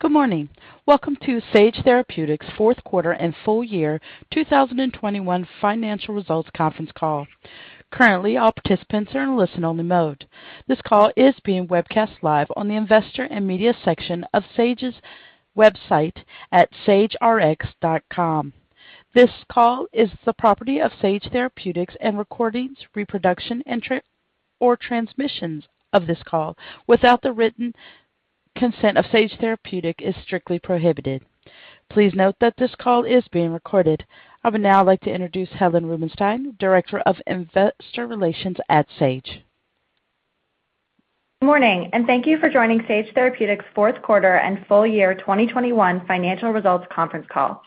Good morning. Welcome to Sage Therapeutics' fourth quarter and full year 2021 financial results conference call. Currently, all participants are in listen-only mode. This call is being webcast live on the investor and media section of Sage's website at sagerx.com. This call is the property of Sage Therapeutics and recordings, reproduction, and transmissions of this call without the written consent of Sage Therapeutics is strictly prohibited. Please note that this call is being recorded. I would now like to introduce Helen Rubinstein, Director of Investor Relations at Sage. Morning and thank you for joining Sage Therapeutics fourth quarter and full year 2021 financial results conference call.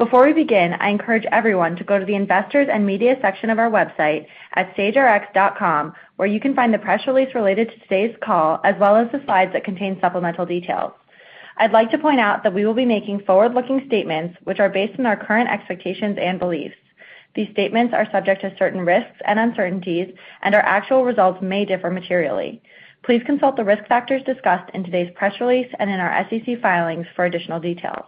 Before we begin, I encourage everyone to go to the investors and media section of our website at sagerx.com, where you can find the press release related to today's call, as well as the slides that contain supplemental details. I'd like to point out that we will be making forward-looking statements which are based on our current expectations and beliefs. These statements are subject to certain risks and uncertainties, and our actual results may differ materially. Please consult the risk factors discussed in today's press release and in our SEC filings for additional details.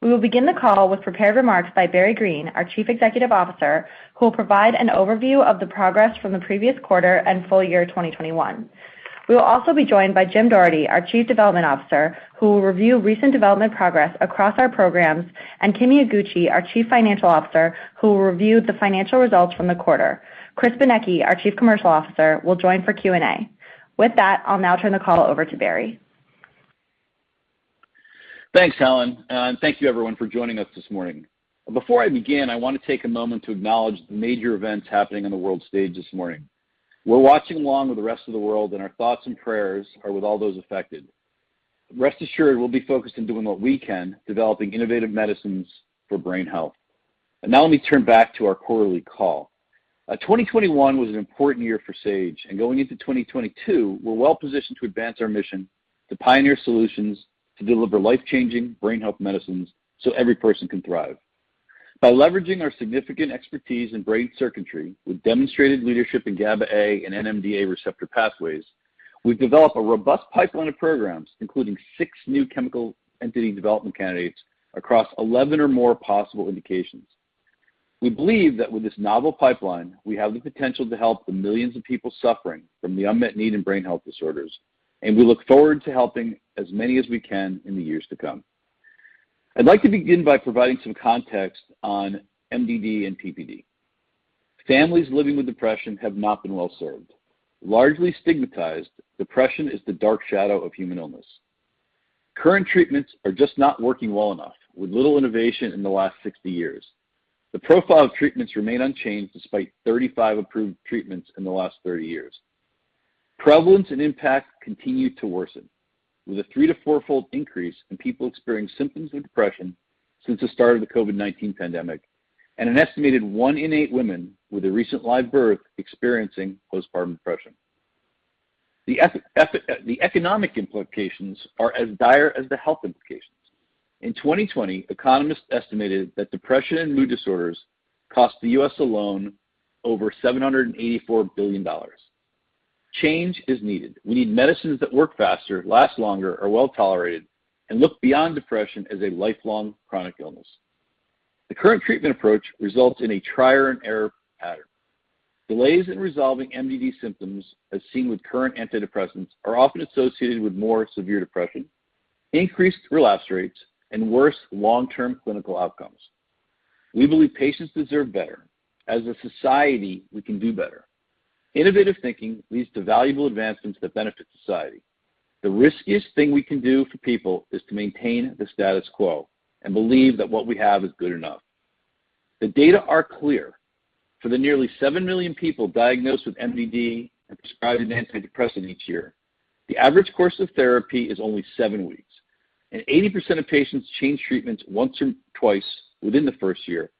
We will begin the call with prepared remarks by Barry Greene, our Chief Executive Officer, who will provide an overview of the progress from the previous quarter and full year 2021. We will also be joined by Jim Doherty, our Chief Development Officer, who will review recent development progress across our programs, and Kimi Iguchi, our Chief Financial Officer, who will review the financial results from the quarter. Chris Benecchi, our Chief Commercial Officer, will join for Q&A. With that, I'll now turn the call over to Barry. Thanks Helen and thank you everyone for joining us this morning. Before I begin, I want to take a moment to acknowledge the major events happening on the world stage this morning. We're watching along with the rest of the world, and our thoughts and prayers are with all those affected. Rest assured we'll be focused on doing what we can, developing innovative medicines for brain health. Now let me turn back to our quarterly call. 2021 was an important year for Sage, and going into 2022, we're well-positioned to advance our mission to pioneer solutions to deliver life-changing brain health medicines so every person can thrive. By leveraging our significant expertise in brain circuitry with demonstrated leadership in GABA A and NMDA receptor pathways, we've developed a robust pipeline of programs, including six new chemical entity development candidates across 11 or more possible indications. We believe that with this novel pipeline, we have the potential to help the millions of people suffering from the unmet need in brain health disorders, and we look forward to helping as many as we can in the years to come. I'd like to begin by providing some context on MDD and PPD. Families living with depression have not been well served. Largely stigmatized, depression is the dark shadow of human illness. Current treatments are just not working well enough, with little innovation in the last 60 years. The profile of treatments remain unchanged despite 35 approved treatments in the last 30 years. Prevalence and impact continue to worsen, with a 3 to 4-fold increase in people experiencing symptoms of depression since the start of the COVID-19 pandemic and an estimated 1 in 8 women with a recent live birth experiencing postpartum depression. The economic implications are as dire as the health implications. In 2020, economists estimated that depression and mood disorders cost the U.S. alone over $784 billion. Change is needed. We need medicines that work faster, last longer, are well-tolerated, and look beyond depression as a lifelong chronic illness. The current treatment approach results in a trial and error pattern. Delays in resolving MDD symptoms, as seen with current antidepressants, are often associated with more severe depression, increased relapse rates, and worse long-term clinical outcomes. We believe patients deserve better. As a society, we can do better. Innovative thinking leads to valuable advancements that benefit society. The riskiest thing we can do for people is to maintain the status quo and believe that what we have is good enough. The data are clear. For the nearly 7 million people diagnosed with MDD and prescribed an antidepressant each year, the average course of therapy is only 7 weeks. 80% of patients change treatments once or twice within the first year.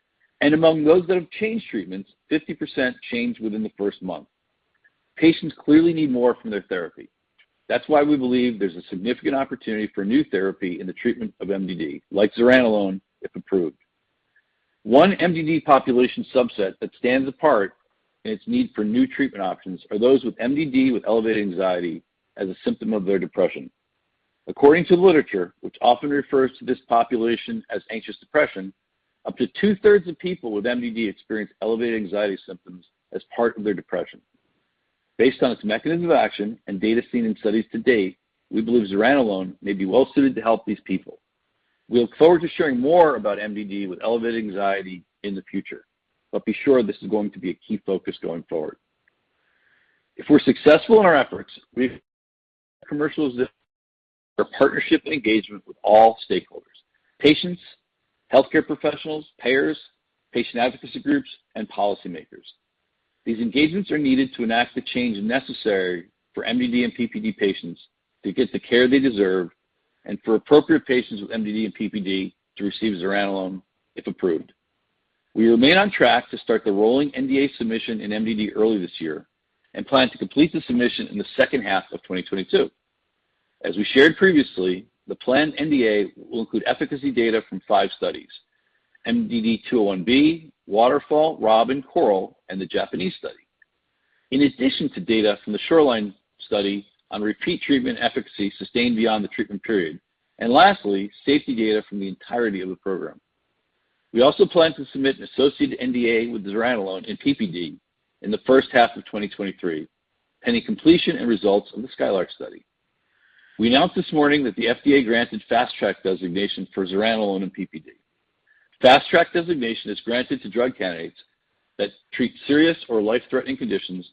Among those that have changed treatments, 50% change within the 1st month. Patients clearly need more from their therapy. That's why we believe there's a significant opportunity for new therapy in the treatment of MDD, like zuranolone, if approved. One MDD population subset that stands apart in its need for new treatment options are those with MDD with elevated anxiety as a symptom of their depression. According to literature, which often refers to this population as anxious depression, up to 2/3 of people with MDD experience elevated anxiety symptoms as part of their depression. Based on its mechanism of action and data seen in studies to date, we believe zuranolone may be well-suited to help these people. We look forward to sharing more about MDD with elevated anxiety in the future. Be sure this is going to be a key focus going forward. If we're successful in our efforts, we'll commercialize for partnership and engagement with all stakeholders, patients, healthcare professionals, payers, patient advocacy groups, and policymakers. These engagements are needed to enact the change necessary for MDD and PPD patients to get the care they deserve and for appropriate patients with MDD and PPD to receive zuranolone, if approved. We remain on track to start the rolling NDA submission in MDD early this year and plan to complete the submission in the second half of 2022. As we shared previously, the planned NDA will include efficacy data from five studies, MDD-201B, WATERFALL, ROBIN, CORAL, and the Japanese study. In addition to data from the SHORELINE study on repeat treatment efficacy sustained beyond the treatment period, and lastly, safety data from the entirety of the program. We also plan to submit an associated NDA with zuranolone and PPD in the first half of 2023, pending completion and results of the SKYLARK study. We announced this morning that the FDA granted Fast Track designations for zuranolone and PPD. Fast Track designation is granted to drug candidates that treat serious or life-threatening conditions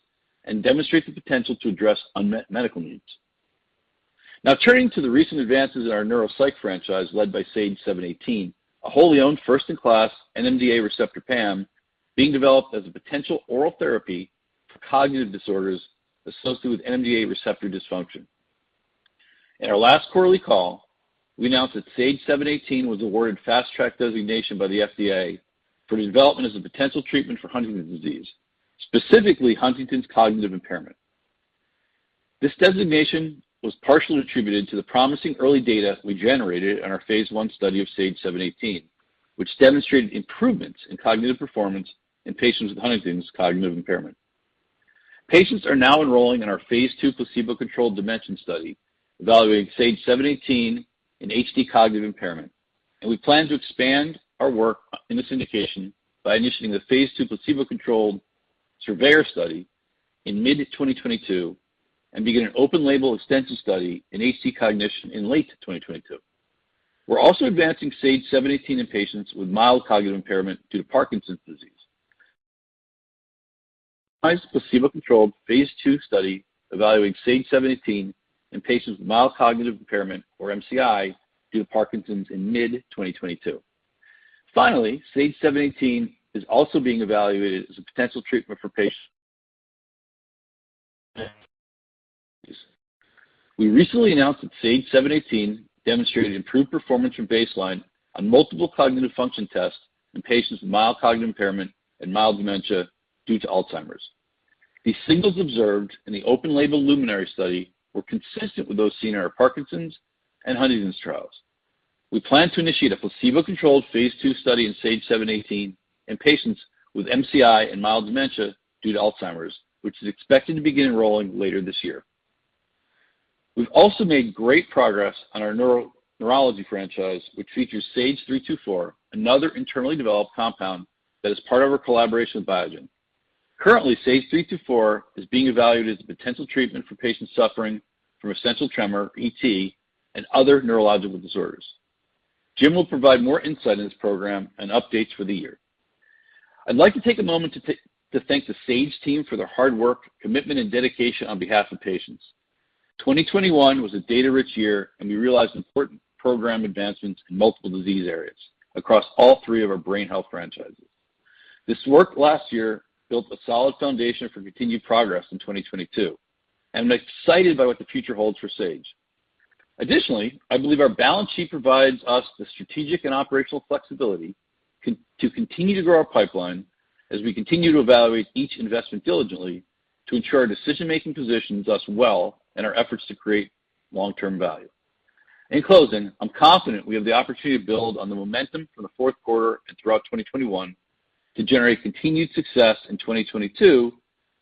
and demonstrate the potential to address unmet medical needs. Now turning to the recent advances in our neuropsych franchise led by SAGE-718, a wholly owned first-in-class NMDA receptor PAM being developed as a potential oral therapy for cognitive disorders associated with NMDA receptor dysfunction. In our last quarterly call, we announced that SAGE-718 was awarded Fast Track designation by the FDA for the development as a potential treatment for Huntington's disease, specifically Huntington's cognitive impairment. This designation was partially attributed to the promising early data we generated in our phase I study of SAGE-718, which demonstrated improvements in cognitive performance in patients with Huntington's cognitive impairment. Patients are now enrolling in our phase II placebo-controlled DIMENSION study, evaluating SAGE-718 in HD cognitive impairment. We plan to expand our work in this indication by initiating a phase II placebo-controlled SURVEYOR study in mid-2022 and begin an open-label extension study in HD cognition in late 2022. We're also advancing SAGE-718 in patients with mild cognitive impairment due to Parkinson's disease. Placebo-controlled phase II study evaluating SAGE-718 in patients with mild cognitive impairment or MCI due to Parkinson's in mid-2022. Finally, SAGE-718 is also being evaluated as a potential treatment for patients. We recently announced that SAGE-718 demonstrated improved performance from baseline on multiple cognitive function tests in patients with mild cognitive impairment and mild dementia due to Alzheimer's. These signals observed in the open-label LUMINARY study were consistent with those seen in our Parkinson's and Huntington's trials. We plan to initiate a placebo-controlled phase II study in SAGE-718 in patients with MCI and mild dementia due to Alzheimer's, which is expected to begin enrolling later this year. We've also made great progress on our neurology franchise, which features SAGE-324, another internally developed compound that is part of our collaboration with Biogen. Currently, SAGE-324 is being evaluated as a potential treatment for patients suffering from essential tremor, ET, and other neurological disorders. Jim will provide more insight in this program and updates for the year. I'd like to take a moment to thank the Sage team for their hard work, commitment and dedication on behalf of patients. 2021 was a data-rich year, and we realized important program advancements in multiple disease areas across all three of our brain health franchises. This work last year built a solid foundation for continued progress in 2022, and I'm excited by what the future holds for Sage. Additionally, I believe our balance sheet provides us the strategic and operational flexibility to continue to grow our pipeline as we continue to evaluate each investment diligently to ensure our decision-making positions us well in our efforts to create long-term value. In closing, I'm confident we have the opportunity to build on the momentum from the fourth quarter and throughout 2021 to generate continued success in 2022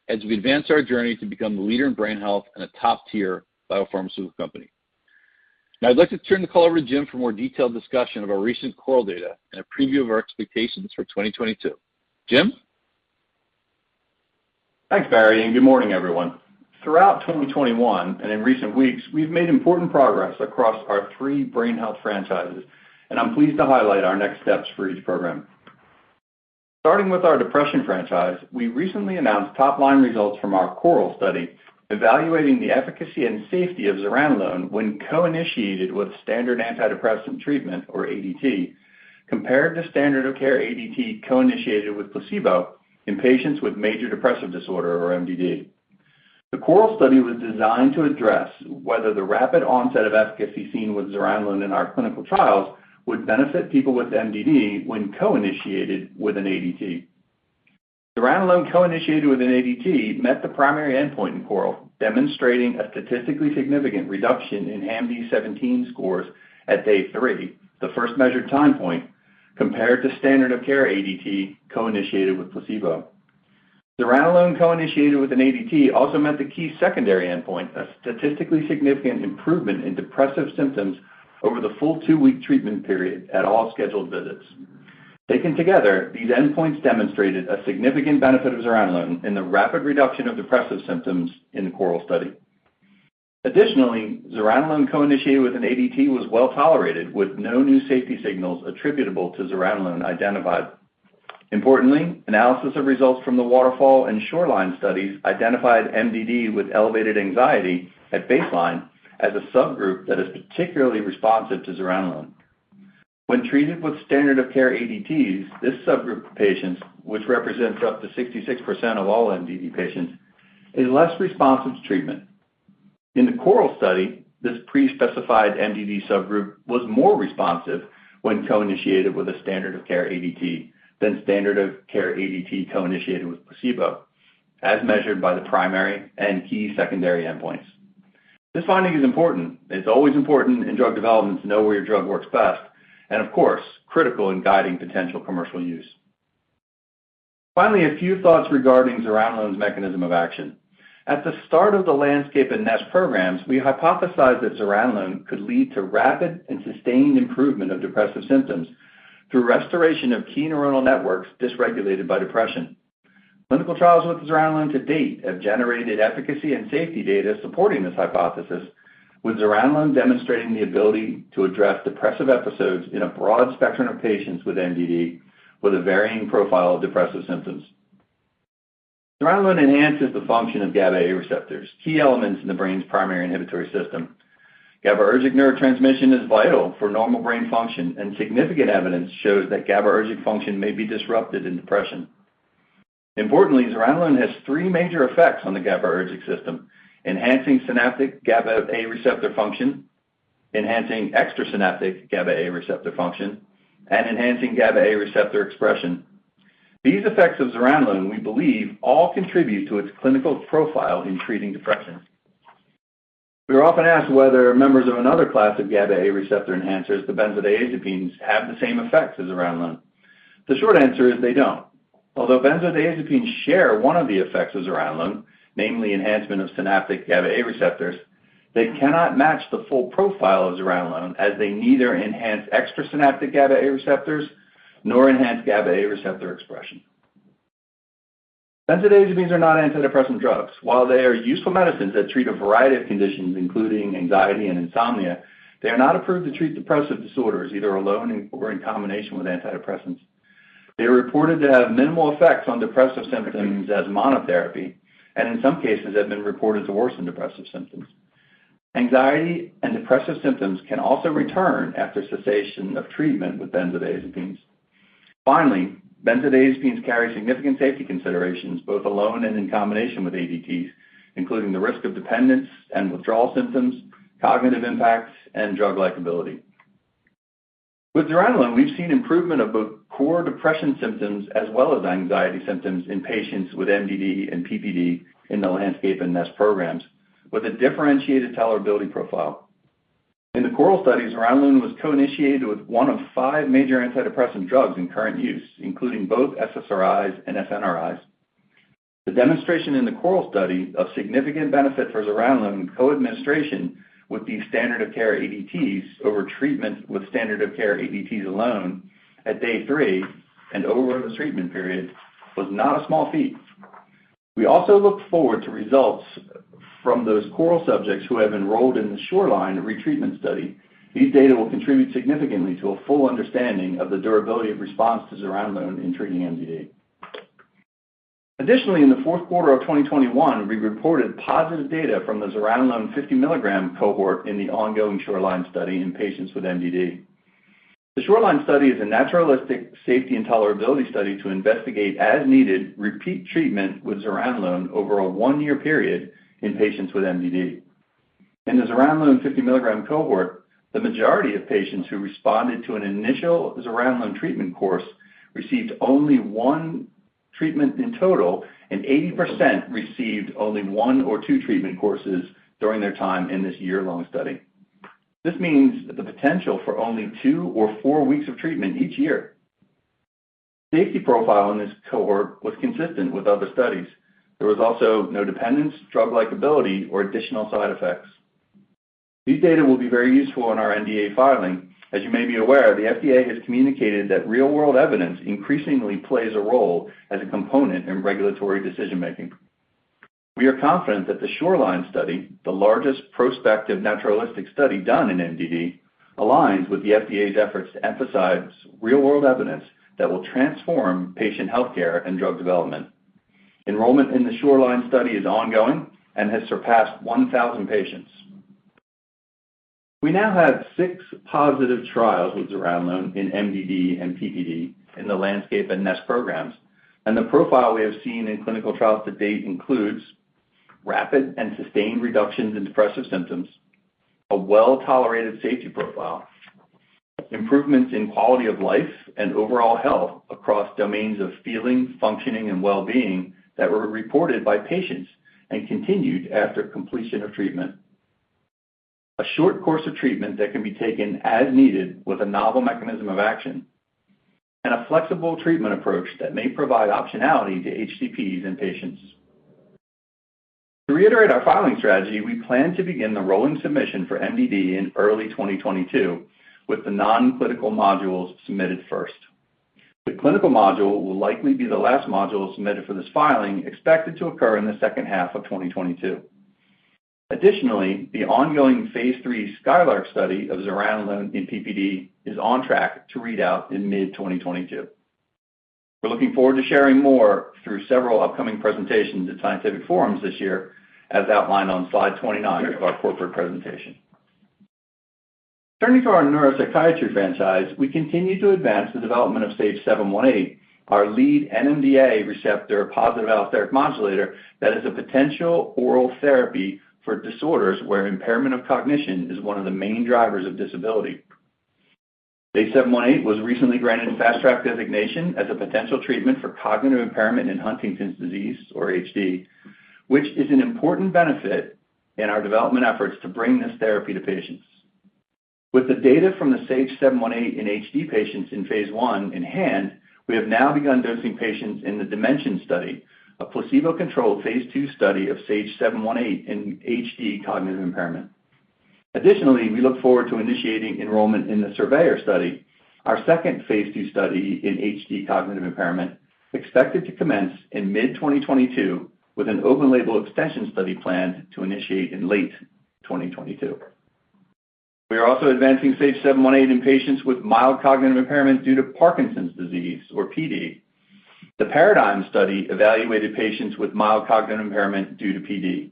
as we advance our journey to become the leader in brain health and a top-tier biopharmaceutical company. Now I'd like to turn the call over to Jim for a more detailed discussion of our recent CORAL data and a preview of our expectations for 2022. Jim? Thanks Barry and good morning everyone. Throughout 2021, and in recent weeks, we've made important progress across our three brain health franchises, and I'm pleased to highlight our next steps for each program. Starting with our depression franchise, we recently announced top-line results from our CORAL study evaluating the efficacy and safety of zuranolone when co-initiated with standard antidepressant treatment or ADT compared to standard of care ADT co-initiated with placebo in patients with major depressive disorder or MDD. The CORAL study was designed to address whether the rapid onset of efficacy seen with zuranolone in our clinical trials would benefit people with MDD when co-initiated with an ADT. Zuranolone co-initiated with an ADT met the primary endpoint in CORAL, demonstrating a statistically significant reduction in HAMD-17 scores at day 3, the first measured time point, compared to standard of care ADT co-initiated with placebo. Zuranolone co-initiated with an ADT also met the key secondary endpoint, a statistically significant improvement in depressive symptoms over the full 2-week treatment period at all scheduled visits. Taken together, these endpoints demonstrated a significant benefit of zuranolone in the rapid reduction of depressive symptoms in the CORAL study. Additionally, zuranolone co-initiated with an ADT was well-tolerated, with no new safety signals attributable to zuranolone identified. Importantly, analysis of results from the WATERFALL and SHORELINE studies identified MDD with elevated anxiety at baseline as a subgroup that is particularly responsive to zuranolone. When treated with standard of care ADTs, this subgroup of patients, which represents up to 66% of all MDD patients, is less responsive to treatment. In the CORAL study, this pre-specified MDD subgroup was more responsive when co-initiated with a standard of care ADT than standard of care ADT co-initiated with placebo, as measured by the primary and key secondary endpoints. This finding is important. It's always important in drug development to know where your drug works best, and of course, critical in guiding potential commercial use. Finally, a few thoughts regarding zuranolone's mechanism of action. At the start of the LANDSCAPE and NEST programs, we hypothesized that zuranolone could lead to rapid and sustained improvement of depressive symptoms through restoration of key neuronal networks dysregulated by depression. Clinical trials with zuranolone to date have generated efficacy and safety data supporting this hypothesis, with zuranolone demonstrating the ability to address depressive episodes in a broad spectrum of patients with MDD with a varying profile of depressive symptoms. Zuranolone enhances the function of GABA A receptors, key elements in the brain's primary inhibitory system. GABAergic neurotransmission is vital for normal brain function, and significant evidence shows that GABAergic function may be disrupted in depression. Importantly, zuranolone has three major effects on the GABAergic system, enhancing synaptic GABA A receptor function, enhancing extrasynaptic GABA A receptor function, and enhancing GABA A receptor expression. These effects of zuranolone, we believe, all contribute to its clinical profile in treating depression. We are often asked whether members of another class of GABA A receptor enhancers, the benzodiazepines, have the same effect as zuranolone. The short answer is they don't. Although benzodiazepines share one of the effects of zuranolone, namely enhancement of synaptic GABA A receptors, they cannot match the full profile of zuranolone as they neither enhance extrasynaptic GABA A receptors nor enhance GABA A receptor expression. Benzodiazepines are not antidepressant drugs. While they are useful medicines that treat a variety of conditions, including anxiety and insomnia, they are not approved to treat depressive disorders, either alone or in combination with antidepressants. They are reported to have minimal effects on depressive symptoms as monotherapy, and in some cases have been reported to worsen depressive symptoms. Anxiety and depressive symptoms can also return after cessation of treatment with benzodiazepines. Finally, benzodiazepines carry significant safety considerations, both alone and in combination with ADTs, including the risk of dependence and withdrawal symptoms, cognitive impacts, and drug liability. With zuranolone, we've seen improvement of both core depression symptoms as well as anxiety symptoms in patients with MDD and PPD in the LANDSCAPE and NEST programs with a differentiated tolerability profile. In the CORAL studies, zuranolone was co-initiated with one of five major antidepressant drugs in current use, including both SSRIs and SNRIs. The demonstration in the CORAL study of significant benefit for zuranolone co-administration with the standard of care ADTs over treatment with standard of care ADTs alone at day 3 and over the treatment period was not a small feat. We also look forward to results from those CORAL subjects who have enrolled in the SHORELINE retreatment study. These data will contribute significantly to a full understanding of the durability of response to zuranolone in treating MDD. Additionally, in the fourth quarter of 2021, we reported positive data from the zuranolone 50 mg cohort in the ongoing SHORELINE study in patients with MDD. The SHORELINE study is a naturalistic safety and tolerability study to investigate as-needed repeat treatment with zuranolone over a 1-year period in patients with MDD. In the zuranolone 50 mg cohort, the majority of patients who responded to an initial zuranolone treatment course received only one treatment in total, and 80% received only one or two treatment courses during their time in this year-long study. This means the potential for only two or four weeks of treatment each year. Safety profile in this cohort was consistent with other studies. There was also no dependence, drug likability, or additional side effects. These data will be very useful in our NDA filing. As you may be aware, the FDA has communicated that real-world evidence increasingly plays a role as a component in regulatory decision-making. We are confident that the SHORELINE study, the largest prospective naturalistic study done in MDD, aligns with the FDA's efforts to emphasize real-world evidence that will transform patient healthcare and drug development. Enrollment in the SHORELINE study is ongoing and has surpassed 1,000 patients. We now have six positive trials with zuranolone in MDD and PPD in the LANDSCAPE and NEST programs, and the profile we have seen in clinical trials to date includes rapid and sustained reductions in depressive symptoms, a well-tolerated safety profile, improvements in quality of life and overall health across domains of feeling, functioning, and well-being that were reported by patients and continued after completion of treatment, a short course of treatment that can be taken as needed with a novel mechanism of action, and a flexible treatment approach that may provide optionality to HCPs and patients. To reiterate our filing strategy, we plan to begin the rolling submission for MDD in early 2022, with the non-clinical modules submitted first. The clinical module will likely be the last module submitted for this filing, expected to occur in the second half of 2022. Additionally, the ongoing phase III SKYLARK study of zuranolone in PPD is on track to read out in mid-2022. We're looking forward to sharing more through several upcoming presentations at scientific forums this year, as outlined on slide 29 of our corporate presentation. Turning to our neuropsychiatry franchise, we continue to advance the development of SAGE-718, our lead NMDA receptor positive allosteric modulator that is a potential oral therapy for disorders where impairment of cognition is one of the main drivers of disability. SAGE-718 was recently granted Fast Track designation as a potential treatment for cognitive impairment in Huntington's disease or HD, which is an important benefit in our development efforts to bring this therapy to patients. With the data from the SAGE-718 in HD patients in phase I in hand, we have now begun dosing patients in the DIMENSION Study, a placebo-controlled phase II study of SAGE-718 in HD cognitive impairment. Additionally, we look forward to initiating enrollment in the SURVEYOR Study, our second phase II study in HD cognitive impairment, expected to commence in mid-2022 with an open label extension study planned to initiate in late 2022. We are also advancing SAGE-718 in patients with mild cognitive impairment due to Parkinson's disease or PD. The PARADIGM Study evaluated patients with mild cognitive impairment due to PD.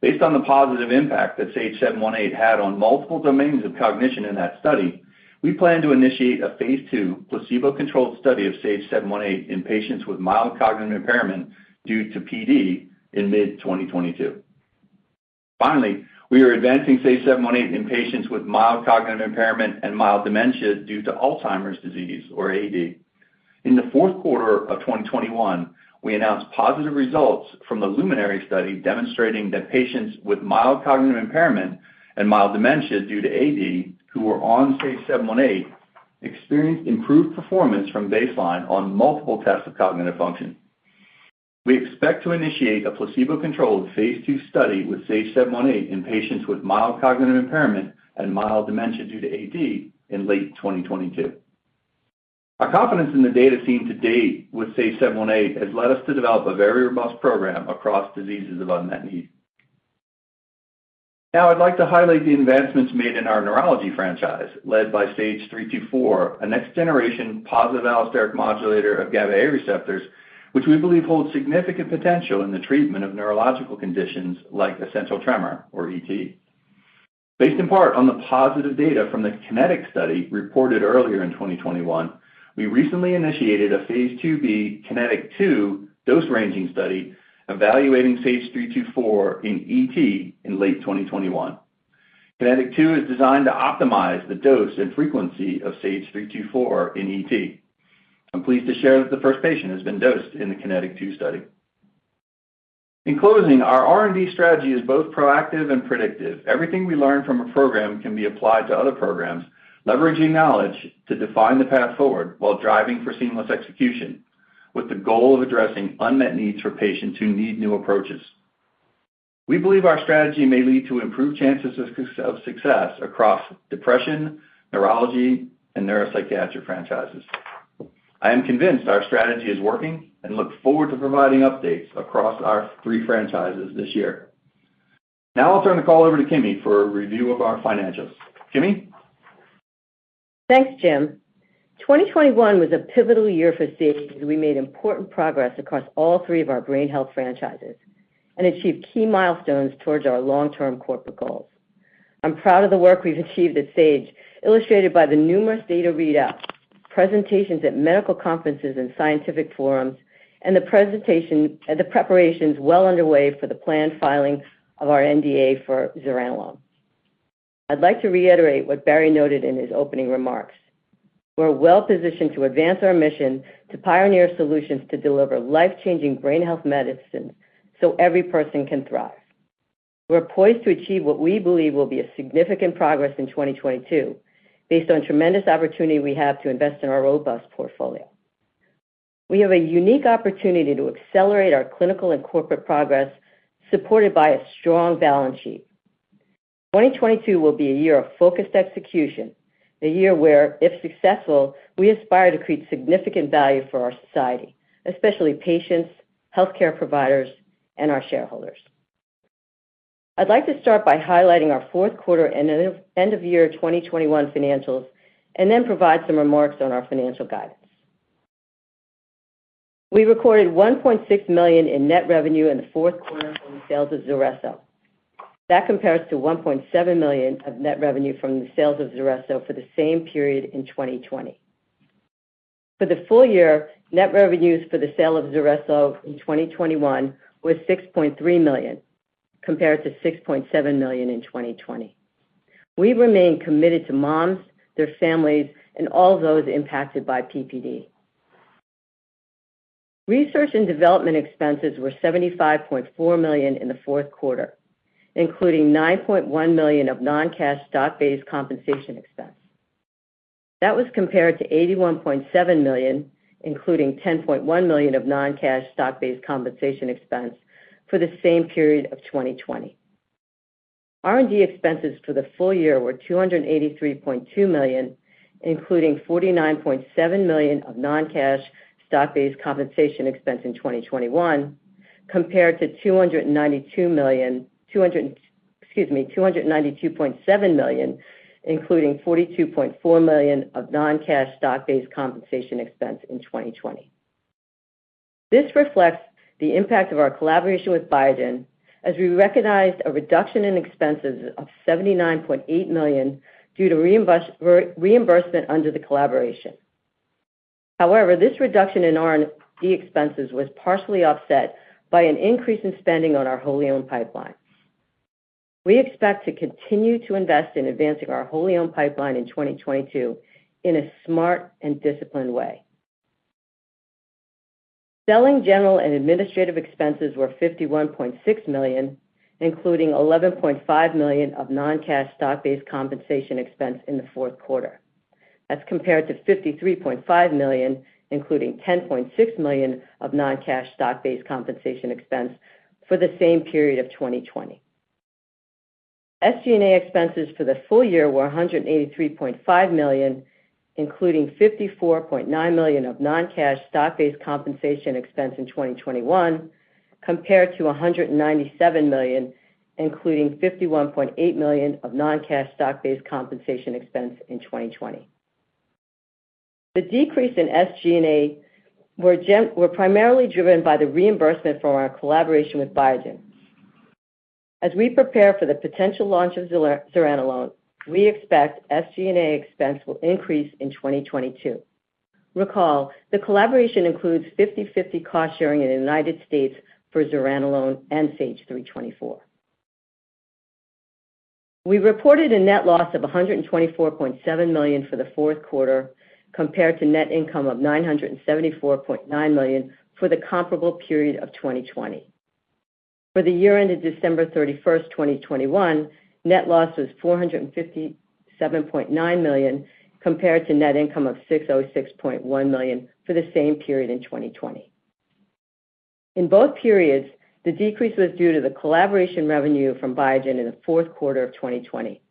Based on the positive impact that SAGE-718 had on multiple domains of cognition in that study, we plan to initiate a phase II placebo-controlled study of SAGE-718 in patients with mild cognitive impairment due to PD in mid-2022. Finally, we are advancing SAGE-718 in patients with mild cognitive impairment and mild dementia due to Alzheimer's disease or AD. In the fourth quarter of 2021, we announced positive results from the LUMINARY Study demonstrating that patients with mild cognitive impairment and mild dementia due to AD who were on SAGE-718 experienced improved performance from baseline on multiple tests of cognitive function. We expect to initiate a placebo-controlled phase II study with SAGE-718 in patients with mild cognitive impairment and mild dementia due to AD in late 2022. Our confidence in the data seen to date with SAGE-718 has led us to develop a very robust program across diseases of unmet need. Now I'd like to highlight the advancements made in our neurology franchise led by SAGE-324, a next generation positive allosteric modulator of GABA-A receptors, which we believe holds significant potential in the treatment of neurological conditions like essential tremor or ET. Based in part on the positive data from the KINETIC study reported earlier in 2021, we recently initiated a phase IIb KINETIC 2 dose-ranging study evaluating SAGE-324 in ET in late 2021. KINETIC 2 is designed to optimize the dose and frequency of SAGE-324 in ET. I'm pleased to share that the first patient has been dosed in the KINETIC 2 study. In closing, our R&D strategy is both proactive and predictive. Everything we learn from a program can be applied to other programs, leveraging knowledge to define the path forward while driving for seamless execution with the goal of addressing unmet needs for patients who need new approaches. We believe our strategy may lead to improved chances of success across depression, neurology, and neuropsychiatric franchises. I am convinced our strategy is working and look forward to providing updates across our three franchises this year. Now I'll turn the call over to Kimi for a review of our financials. Kimi? Thanks Jim. 2021 was a pivotal year for Sage as we made important progress across all three of our brain health franchises and achieved key milestones towards our long-term corporate goals. I'm proud of the work we've achieved at Sage, illustrated by the numerous data readouts, presentations at medical conferences and scientific forums, and the preparations well underway for the planned filing of our NDA for zuranolone. I'd like to reiterate what Barry noted in his opening remarks. We're well-positioned to advance our mission to pioneer solutions to deliver life-changing brain health medicine so every person can thrive. We're poised to achieve what we believe will be a significant progress in 2022 based on tremendous opportunity we have to invest in our robust portfolio. We have a unique opportunity to accelerate our clinical and corporate progress supported by a strong balance sheet. 2022 will be a year of focused execution, a year where, if successful, we aspire to create significant value for our society, especially patients, healthcare providers, and our shareholders. I'd like to start by highlighting our fourth quarter and end of year 2021 financials, and then provide some remarks on our financial guidance. We recorded $1.6 million in net revenue in the fourth quarter from the sales of Zulresso. That compares to $1.7 million of net revenue from the sales of Zulresso for the same period in 2020. For the full year, net revenues for the sale of Zulresso in 2021 was $6.3 million, compared to $6.7 million in 2020. We remain committed to moms, their families, and all those impacted by PPD. Research and development expenses were $75.4 million in the fourth quarter, including $9.1 million of non-cash stock-based compensation expense. That was compared to $81.7 million, including $10.1 million of non-cash stock-based compensation expense for the same period of 2020. R&D expenses for the full year were $283.2 million, including $49.7 million of non-cash stock-based compensation expense in 2021, compared to $292.7 million, including $42.4 million of non-cash stock-based compensation expense in 2020. This reflects the impact of our collaboration with Biogen as we recognized a reduction in expenses of $79.8 million due to reimbursement under the collaboration. However, this reduction in R&D expenses was partially offset by an increase in spending on our wholly owned pipeline. We expect to continue to invest in advancing our wholly owned pipeline in 2022 in a smart and disciplined way. Selling, general, and administrative expenses were $51.6 million, including $11.5 million of non-cash stock-based compensation expense in the fourth quarter. That's compared to $53.5 million, including $10.6 million of non-cash stock-based compensation expense for the same period of 2020. SG&A expenses for the full year were $183.5 million, including $54.9 million of non-cash stock-based compensation expense in 2021, compared to $197 million, including $51.8 million of non-cash stock-based compensation expense in 2020. The decrease in SG&A was primarily driven by the reimbursement from our collaboration with Biogen. As we prepare for the potential launch of zuranolone, we expect SG&A expense will increase in 2022. Recall, the collaboration includes 50/50 cost sharing in the United States for zuranolone and SAGE-324. We reported a net loss of $124.7 million for the fourth quarter compared to net income of $974.9 million for the comparable period of 2020. For the year ended December 31st, 2021, net loss was $457.9 million compared to net income of $606.1 million for the same period in 2020. In both periods, the decrease was due to the collaboration revenue from Biogen in the fourth quarter of 2020.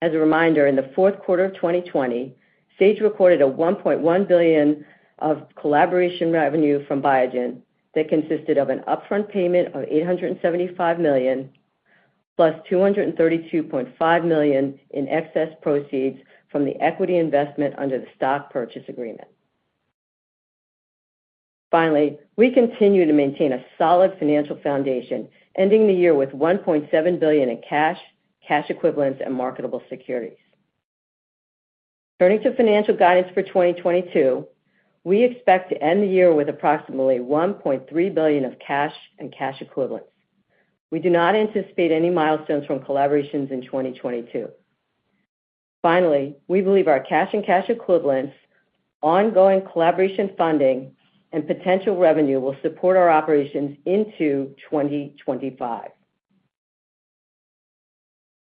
As a reminder, in the fourth quarter of 2020, Sage recorded $1.1 billion of collaboration revenue from Biogen that consisted of an upfront payment of $875 million, plus $232.5 million in excess proceeds from the equity investment under the stock purchase agreement. Finally, we continue to maintain a solid financial foundation, ending the year with $1.7 billion in cash equivalents and marketable securities. Turning to financial guidance for 2022, we expect to end the year with approximately $1.3 billion of cash and cash equivalents. We do not anticipate any milestones from collaborations in 2022. Finally, we believe our cash and cash equivalents, ongoing collaboration funding, and potential revenue will support our operations into 2025.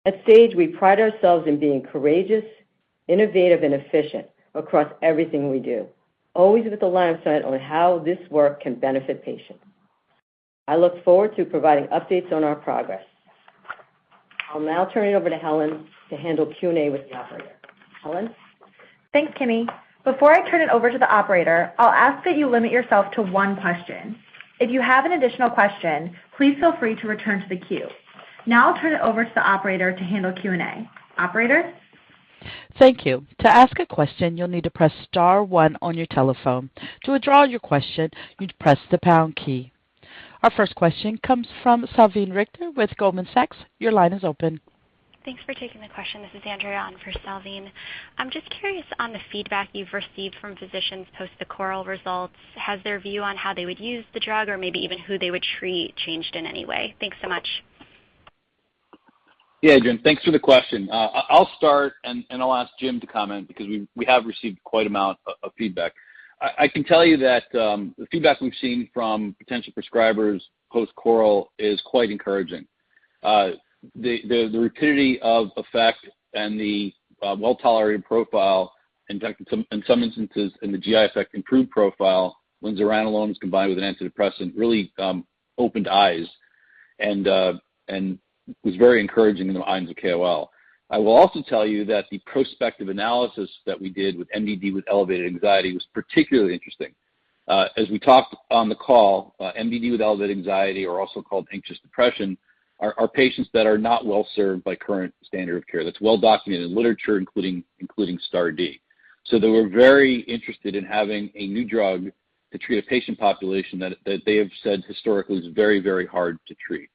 At Sage, we pride ourselves in being courageous, innovative, and efficient across everything we do, always with a line of sight on how this work can benefit patients. I look forward to providing updates on our progress. I'll now turn it over to Helen to handle Q&A with the operator. Helen? Thanks Kimi. Before I turn it over to the operator, I'll ask that you limit yourself to one question. If you have an additional question, please feel free to return to the queue. Now I'll turn it over to the operator to handle Q&A. Operator? Thank you. To ask a question, you'll need to press star one on your telephone. To withdraw your question, you'd press the pound key. Our first question comes from Salveen Richter with Goldman Sachs. Your line is open. Thanks for taking the question. This is Andrea on for Salveen. I'm just curious on the feedback you've received from physicians post the CORAL results. Has their view on how they would use the drug or maybe even who they would treat changed in any way? Thanks so much. Yeah, Andrea, thanks for the question. I'll start, and I'll ask Jim to comment because we have received quite an amount of feedback. I can tell you that the feedback we've seen from potential prescribers post CORAL is quite encouraging. The rapidity of effect and the well-tolerated profile, in fact, in some instances the GI effect improved profile when zuranolone is combined with an antidepressant really opened eyes and was very encouraging in the minds of KOL. I will also tell you that the prospective analysis that we did with MDD with elevated anxiety was particularly interesting. As we talked on the call, MDD with elevated anxiety, or also called anxious depression, are patients that are not well served by current standard of care. That's well documented in literature, including STAR*D. They were very interested in having a new drug to treat a patient population that they have said historically is very, very hard to treat.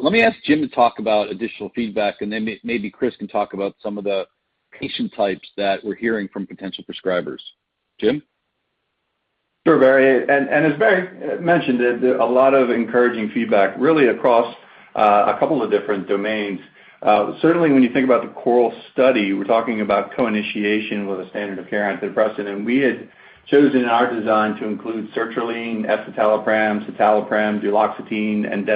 Let me ask Jim to talk about additional feedback, and then maybe Chris can talk about some of the patient types that we're hearing from potential prescribers. Jim? Sure Barry. As Barry mentioned, a lot of encouraging feedback really across a couple of different domains. Certainly when you think about the CORAL study, we're talking about co-initiation with a standard of care antidepressant. We had chosen in our design to include sertraline, escitalopram, citalopram, duloxetine, and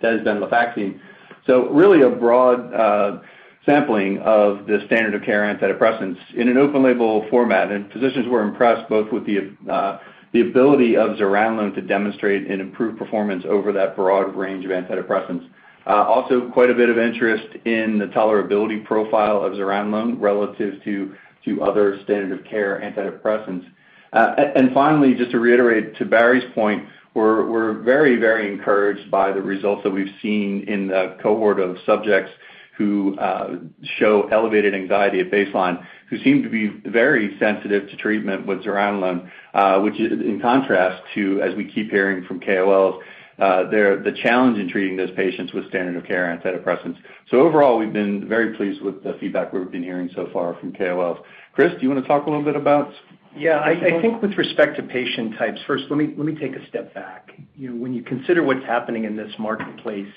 desvenlafaxine. Really a broad sampling of the standard of care antidepressants in an open label format. Physicians were impressed both with the ability of zuranolone to demonstrate an improved performance over that broad range of antidepressants. Also quite a bit of interest in the tolerability profile of zuranolone relative to other standard of care antidepressants. Finally, just to reiterate to Barry's point, we're very encouraged by the results that we've seen in the cohort of subjects who show elevated anxiety at baseline, who seem to be very sensitive to treatment with zuranolone, which is in contrast to, as we keep hearing from KOLs, the challenge in treating those patients with standard of care antidepressants. Overall, we've been very pleased with the feedback we've been hearing so far from KOLs. Chris, do you want to talk a little bit about Yeah. I think with respect to patient types, first, let me take a step back. You know, when you consider what's happening in this marketplace.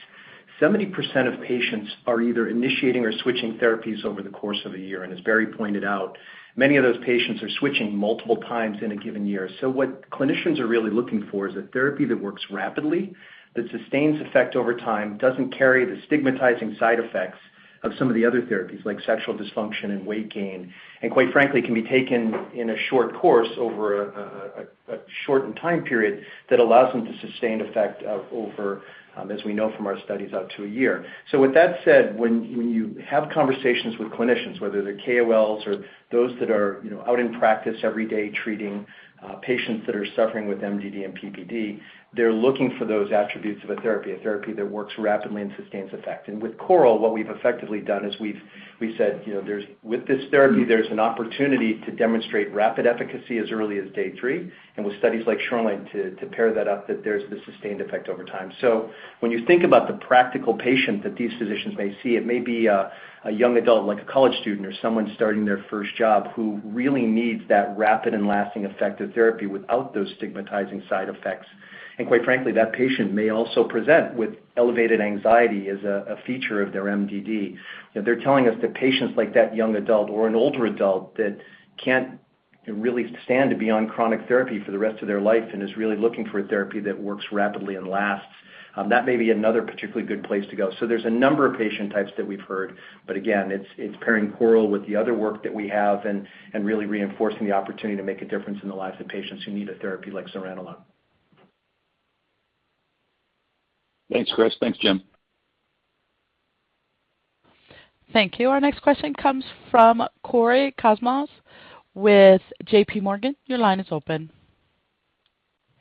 70% of patients are either initiating or switching therapies over the course of a year. As Barry pointed out, many of those patients are switching multiple times in a given year. What clinicians are really looking for is a therapy that works rapidly, that sustains effect over time, doesn't carry the stigmatizing side effects of some of the other therapies, like sexual dysfunction and weight gain, quite frankly, can be taken in a short course over a shortened time period that allows them to sustain effect of over, as we know from our studies, out to a year. With that said, when you have conversations with clinicians, whether they're KOLs or those that are, you know, out in practice every day treating patients that are suffering with MDD and PPD, they're looking for those attributes of a therapy that works rapidly and sustains effect. With CORAL, what we've effectively done is we said, you know, with this therapy, there's an opportunity to demonstrate rapid efficacy as early as day three, and with studies like SHORELINE to pair that up that there's the sustained effect over time. When you think about the practical patient that these physicians may see, it may be a young adult, like a college student or someone starting their first job who really needs that rapid and lasting effect of therapy without those stigmatizing side effects. Quite frankly, that patient may also present with elevated anxiety as a feature of their MDD. They're telling us that patients like that young adult or an older adult that can't really stand to be on chronic therapy for the rest of their life and is really looking for a therapy that works rapidly and lasts, that may be another particularly good place to go. There's a number of patient types that we've heard, but again, it's pairing CORAL with the other work that we have and really reinforcing the opportunity to make a difference in the lives of patients who need a therapy like zuranolone. Thanks Chris. Thanks Jim. Thank you. Our next question comes from Cory Kasimov with JP Morgan. Your line is open.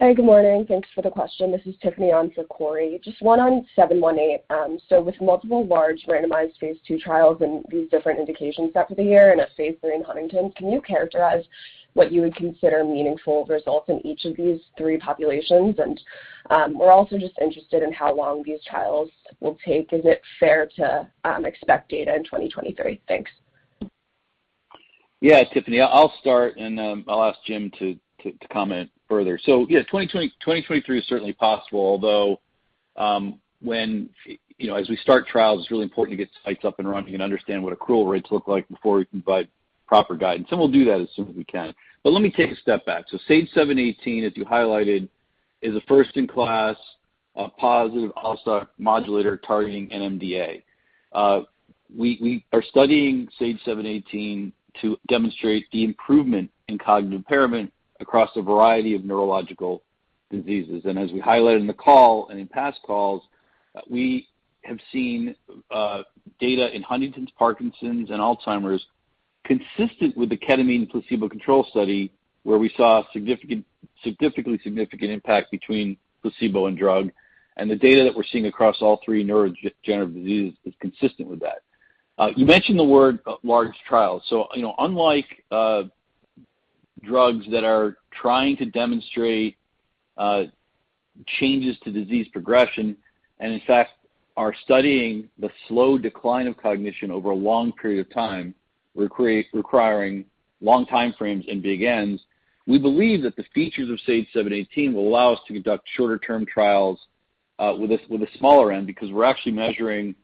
Hey good morning. Thanks for the question. This is Tiffany on for Cory. Just one on SAGE-718. So with multiple large randomized phase II trials and these different indications set for the year and a phase III in Huntington, can you characterize what you would consider meaningful results in each of these three populations? We're also just interested in how long these trials will take. Is it fair to expect data in 2023? Thanks. Yeah, Tiffany. I'll start, and I'll ask Jim to comment further. Yeah, 2023 is certainly possible, although, when, you know, as we start trials, it's really important to get sites up and running and understand what accrual rates look like before we can provide proper guidance. We'll do that as soon as we can. But let me take a step back. SAGE-718, as you highlighted, is a first-in-class positive allosteric modulator targeting NMDA. We are studying SAGE-718 to demonstrate the improvement in cognitive impairment across a variety of neurological diseases. As we highlighted in the call and in past calls, we have seen data in Huntington's disease, Parkinson's disease, and Alzheimer's disease consistent with the ketamine placebo control study, where we saw significant impact between placebo and drug. The data that we're seeing across all three neurodegenerative diseases is consistent with that. You mentioned the word large trials. You know, unlike drugs that are trying to demonstrate changes to disease progression and in fact, are studying the slow decline of cognition over a long period of time, requiring long time frames and big N's, we believe that the features of SAGE-718 will allow us to conduct shorter-term trials with a smaller N because we're actually measuring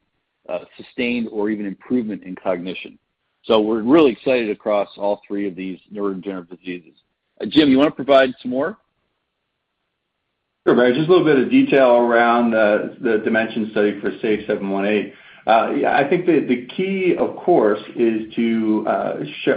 sustained or even improvement in cognition. We're really excited across all three of these neurodegenerative diseases. Jim, you want to provide some more? Sure, Barry. Just a little bit of detail around the DIMENSION study for SAGE-718. I think the key, of course, is to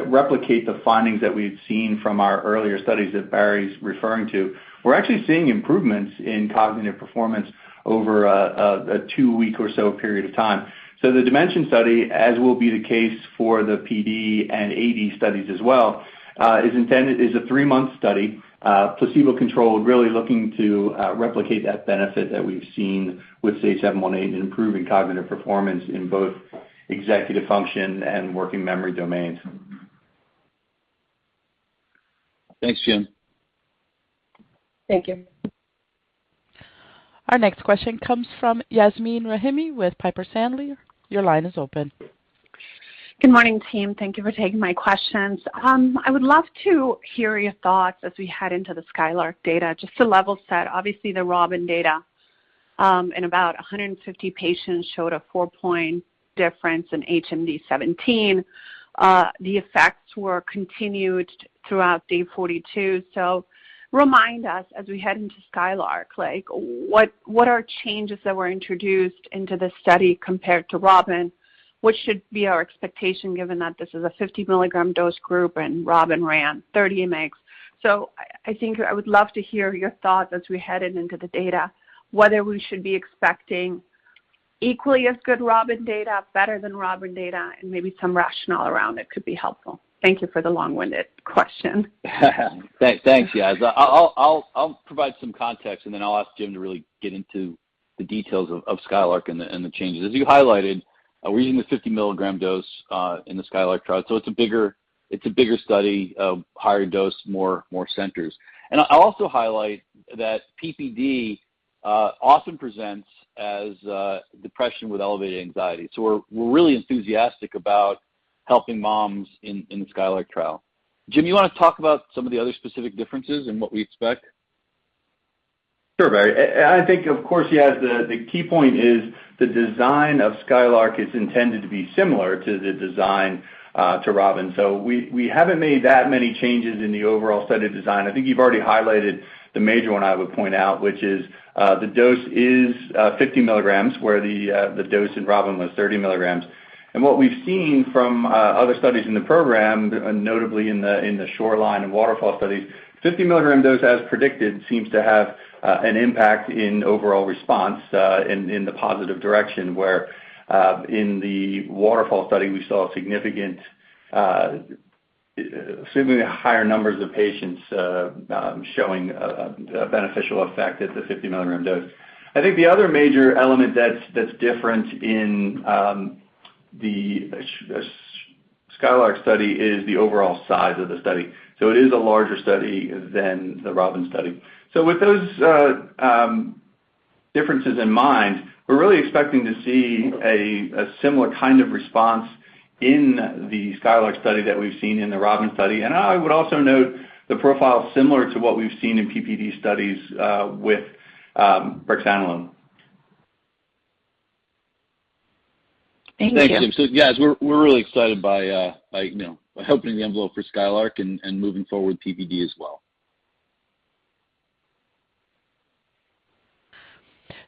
replicate the findings that we've seen from our earlier studies that Barry's referring to. We're actually seeing improvements in cognitive performance over a 2-week or so period of time. The DIMENSION study, as will be the case for the PD and AD studies as well, is intended as a 3-month study, placebo-controlled, really looking to replicate that benefit that we've seen with SAGE-718 in improving cognitive performance in both executive function and working memory domains. Thanks Jim. Thank you. Our next question comes from Yasmeen Rahimi with Piper Sandler. Your line is open. Good morning team. Thank you for taking my questions. I would love to hear your thoughts as we head into the SKYLARK data. Just to level set, obviously, the ROBIN data in about 150 patients showed a 4-point difference in HAMD-17. The effects were continued throughout day 42. Remind us as we head into SKYLARK, like what are changes that were introduced into the study compared to ROBIN? What should be our expectation given that this is a 50-mg dose group and ROBIN ran 30 mg? I think I would love to hear your thoughts as we headed into the data, whether we should be expecting equally as good ROBIN data, better than ROBIN data, and maybe some rationale around it could be helpful. Thank you for the long-winded question. Thanks, guys. I'll provide some context, and then I'll ask Jim to really get into the details of Skylark and the changes. As you highlighted, we're using the 50-milligram dose in the Skylark trial. It's a bigger study of higher dose, more centers. I also highlight that PPD often presents as depression with elevated anxiety. We're really enthusiastic about helping moms in the Skylark trial. Jim, you want to talk about some of the other specific differences and what we expect? Sure, Barry. I think of course, yes, the key point is the design of Skylark is intended to be similar to the design of Robin. We haven't made that many changes in the overall study design. I think you've already highlighted the major one I would point out, which is, the dose is, 50 milligrams, where the dose in ROBIN was 30 milligrams. What we've seen from, other studies in the program, notably in the SHORELINE and WATERFALL studies, 50 milligram dose as predicted, seems to have, an impact in overall response, in the positive direction, where, in the WATERFALL study, we saw significant, seemingly higher numbers of patients, showing a beneficial effect at the 50 milligram dose. I think the other major element that's different in, the SKYLARK study is the overall size of the study. It is a larger study than the ROBIN study. With those differences in mind, we're really expecting to see a similar kind of response in the SKYLARK study that we've seen in the ROBIN study. I would also note the profile is similar to what we've seen in PPD studies with brexanolone. Thank you. Thanks, Jim. Yes, we're really excited by you know by opening the envelope for Skylark and moving forward with PPD as well.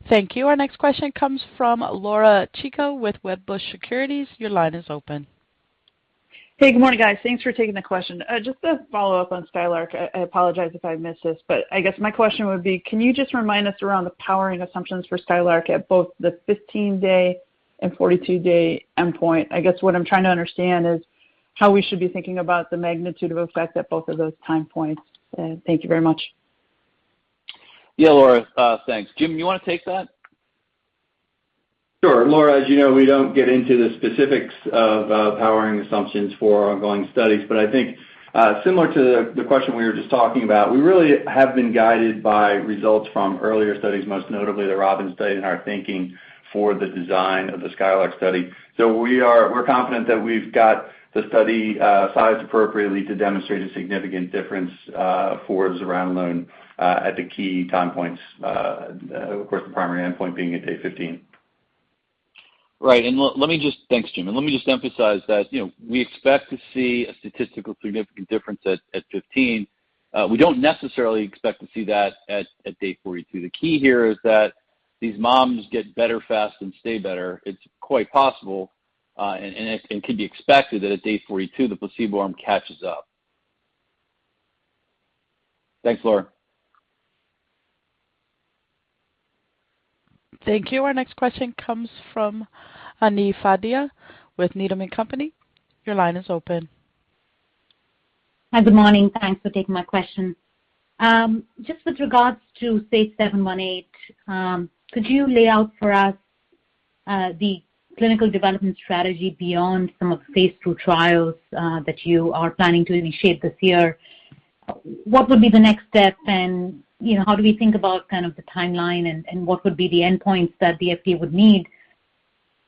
Thank you. Our next question comes from Laura Chico with Wedbush Securities. Your line is open. Hey, good morning guys. Thanks for taking the question. Just to follow up on SKYLARK, I apologize if I missed this. I guess my question would be, can you just remind us around the powering assumptions for SKYLARK at both the 15-day and 42-day endpoint? I guess what I'm trying to understand is how we should be thinking about the magnitude of effect at both of those time points. Thank you very much. Yeah, Laura, thanks. Jim, you wanna take that? Sure. Laura, as you know, we don't get into the specifics of powering assumptions for ongoing studies. I think similar to the question we were just talking about, we really have been guided by results from earlier studies, most notably the ROBIN study and our thinking for the design of the SKYLARK study. We're confident that we've got the study sized appropriately to demonstrate a significant difference for zuranolone at the key time points, of course, the primary endpoint being at day 15. Right. Let me just... Thanks, Jim. Let me just emphasize that, you know, we expect to see a statistically significant difference at 15. We don't necessarily expect to see that at day 42. The key here is that these moms get better fast and stay better. It's quite possible, and it can be expected that at day 42, the placebo arm catches up. Thanks, Laura. Thank you. Our next question comes from Ami Fadia with Needham & Company. Your line is open. Hi, good morning. Thanks for taking my question. Just with regards to SAGE-718, could you lay out for us the clinical development strategy beyond some of the phase II trials that you are planning to initiate this year? What would be the next step? You know, how do we think about the timeline and what would be the endpoints that the FDA would need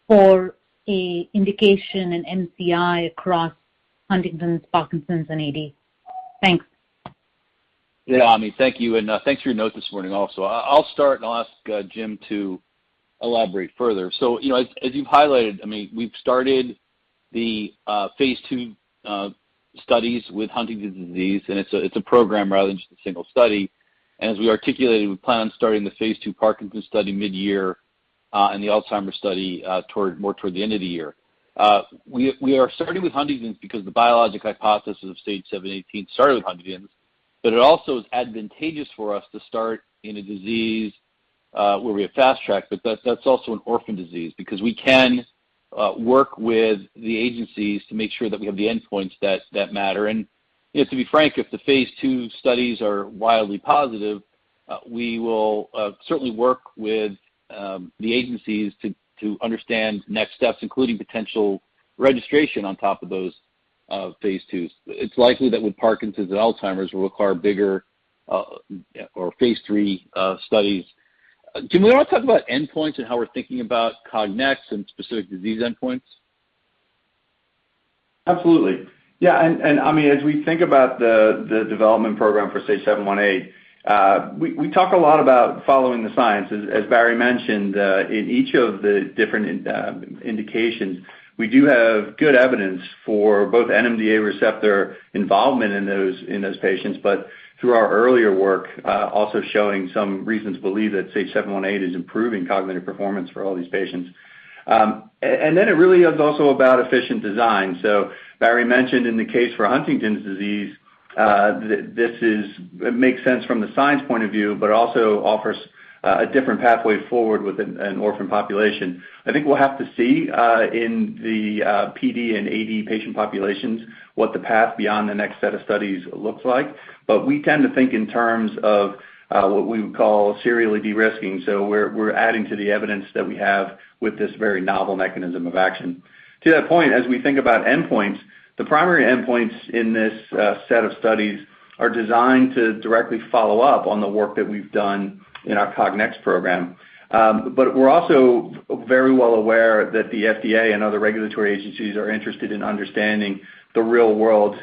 for an indication in MCI across Huntington's, Parkinson's and AD? Thanks. Yeah, Ami, thank you, and thanks for your note this morning also. I'll start, and I'll ask Jim to elaborate further. You know, as you've highlighted, I mean, we've started the phase II studies with Huntington's disease, and it's a program rather than just a single study. We articulated, we plan on starting the phase II Parkinson's study midyear and the Alzheimer's study toward the end of the year. We are starting with Huntington's because the biologic hypothesis of SAGE-718 started with Huntington's, but it also is advantageous for us to start in a disease where we have Fast Track, but that's also an orphan disease because we can work with the agencies to make sure that we have the endpoints that matter. To be frank, if the phase II studies are wildly positive, we will certainly work with the agencies to understand next steps, including potential registration on top of those phase II-S. It's likely that with Parkinson's and Alzheimer's will require bigger or phase III studies. Jim, do you want to talk about endpoints and how we're thinking about CogNEXT and specific disease endpoints? Absolutely. Yeah, and I mean, as we think about the development program for SAGE-718, we talk a lot about following the science. As Barry mentioned, in each of the different indications, we do have good evidence for both NMDA receptor involvement in those patients. But through our earlier work, also showing some reasons to believe that SAGE-718 is improving cognitive performance for all these patients. And then it really is also about efficient design. Barry mentioned in the case for Huntington's disease, this is it makes sense from the science point of view, but also offers a different pathway forward with an orphan population. I think we'll have to see in the PD and AD patient populations what the path beyond the next set of studies looks like. We tend to think in terms of what we would call serially de-risking. We're adding to the evidence that we have with this very novel mechanism of action. To that point, as we think about endpoints, the primary endpoints in this set of studies are designed to directly follow up on the work that we've done in our CogNEXT program. We're also very well aware that the FDA and other regulatory agencies are interested in understanding the real-world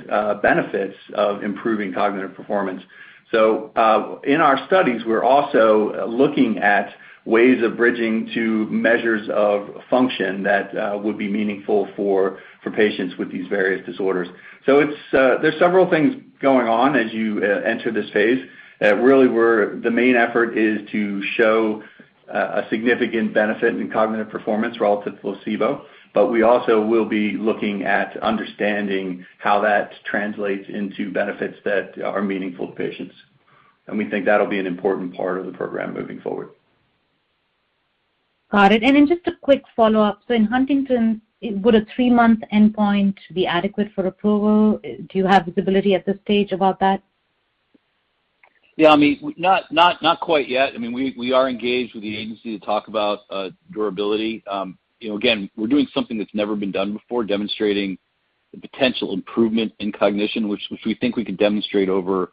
benefits of improving cognitive performance. In our studies, we're also looking at ways of bridging to measures of function that would be meaningful for patients with these various disorders. There's several things going on as you enter this phase. The main effort is to show A significant benefit in cognitive performance relative to placebo. We also will be looking at understanding how that translates into benefits that are meaningful to patients. We think that'll be an important part of the program moving forward. Got it. Just a quick follow-up. In Huntington, would a 3-month endpoint be adequate for approval? Do you have visibility at this stage about that? Yeah, I mean, not quite yet. I mean, we are engaged with the agency to talk about durability. You know, again, we're doing something that's never been done before, demonstrating the potential improvement in cognition, which we think we can demonstrate over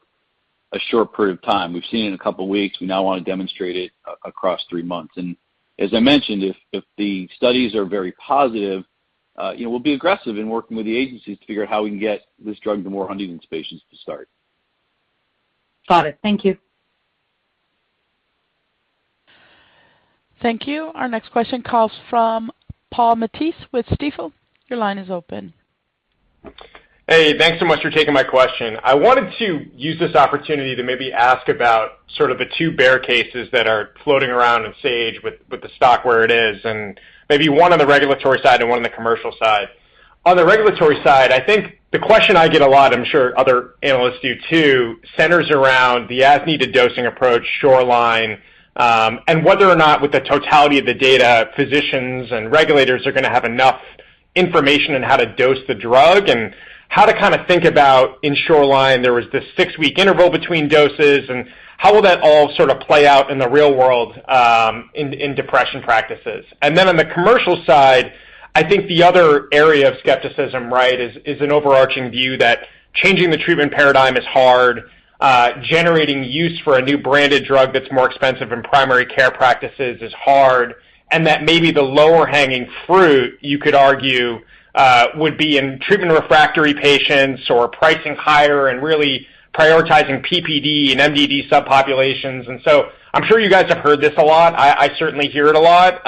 a short period of time. We've seen it in a couple weeks, we now wanna demonstrate it across three months. As I mentioned, if the studies are very positive, you know, we'll be aggressive in working with the agencies to figure out how we can get this drug to more Huntington's patients to start. Got it. Thank you. Thank you. Our next question calls from Paul Matteis with Stifel. Your line is open. Hey, thanks so much for taking my question. I wanted to use this opportunity to maybe ask about sort of the two bear cases that are floating around in Sage with the stock where it is, and maybe one on the regulatory side and one on the commercial side. On the regulatory side, I think the question I get a lot, I'm sure other analysts do too, centers around the as-needed dosing approach SHORELINE, and whether or not with the totality of the data, physicians and regulators are gonna have enough information on how to dose the drug and how to kinda think about in SHORELINE, there was this six-week interval between doses, and how will that all sorta play out in the real world, in depression practices. On the commercial side, I think the other area of skepticism, right, is an overarching view that changing the treatment paradigm is hard, generating use for a new branded drug that's more expensive in primary care practices is hard, and that maybe the lower-hanging fruit, you could argue, would be in treatment-refractory patients or pricing higher and really prioritizing PPD and MDD subpopulations. I'm sure you guys have heard this a lot. I certainly hear it a lot.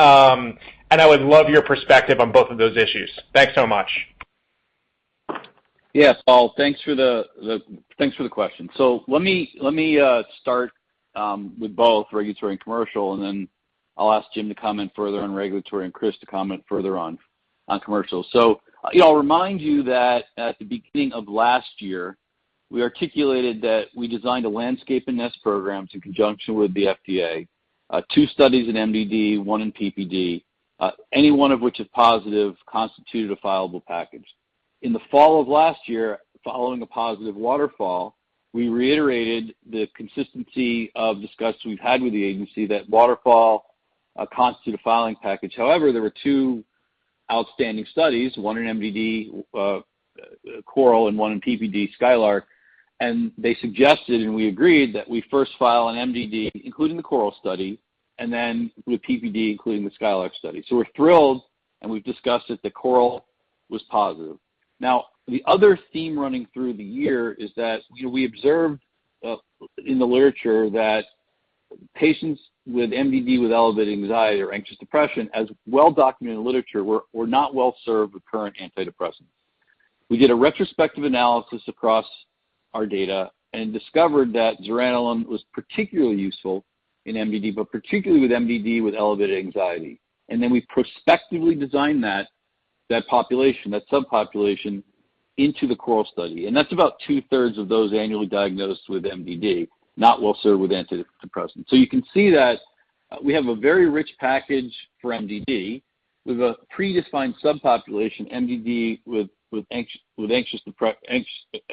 I would love your perspective on both of those issues. Thanks so much. Yeah, Paul thanks for the question. Let me start with both regulatory and commercial, and then I'll ask Jim to comment further on regulatory and Chris to comment further on commercial. You know, I'll remind you that at the beginning of last year, we articulated that we designed a LANDSCAPE and NEST program in conjunction with the FDA, two studies in MDD, one in PPD, any one of which is positive constituted a fileable package. In the fall of last year, following a positive WATERFALL, we reiterated the consistency of discussions we've had with the agency that WATERFALL constitute a filing package. However, there were two outstanding studies, one in MDD, CORAL, and one in PPD, SKYLARK. They suggested, and we agreed, that we first file an MDD, including the CORAL study, and then with PPD, including the SKYLARK study. We're thrilled, and we've discussed that the CORAL was positive. Now, the other theme running through the year is that, you know, we observed in the literature that patients with MDD with elevated anxiety or anxious depression, as well documented in literature, were not well served with current antidepressants. We did a retrospective analysis across our data and discovered that zuranolone was particularly useful in MDD, but particularly with MDD with elevated anxiety. Then we prospectively designed that population, that subpopulation into the CORAL study. That's about two-thirds of those annually diagnosed with MDD, not well served with antidepressants. You can see that, we have a very rich package for MDD. We've a predefined subpopulation, MDD with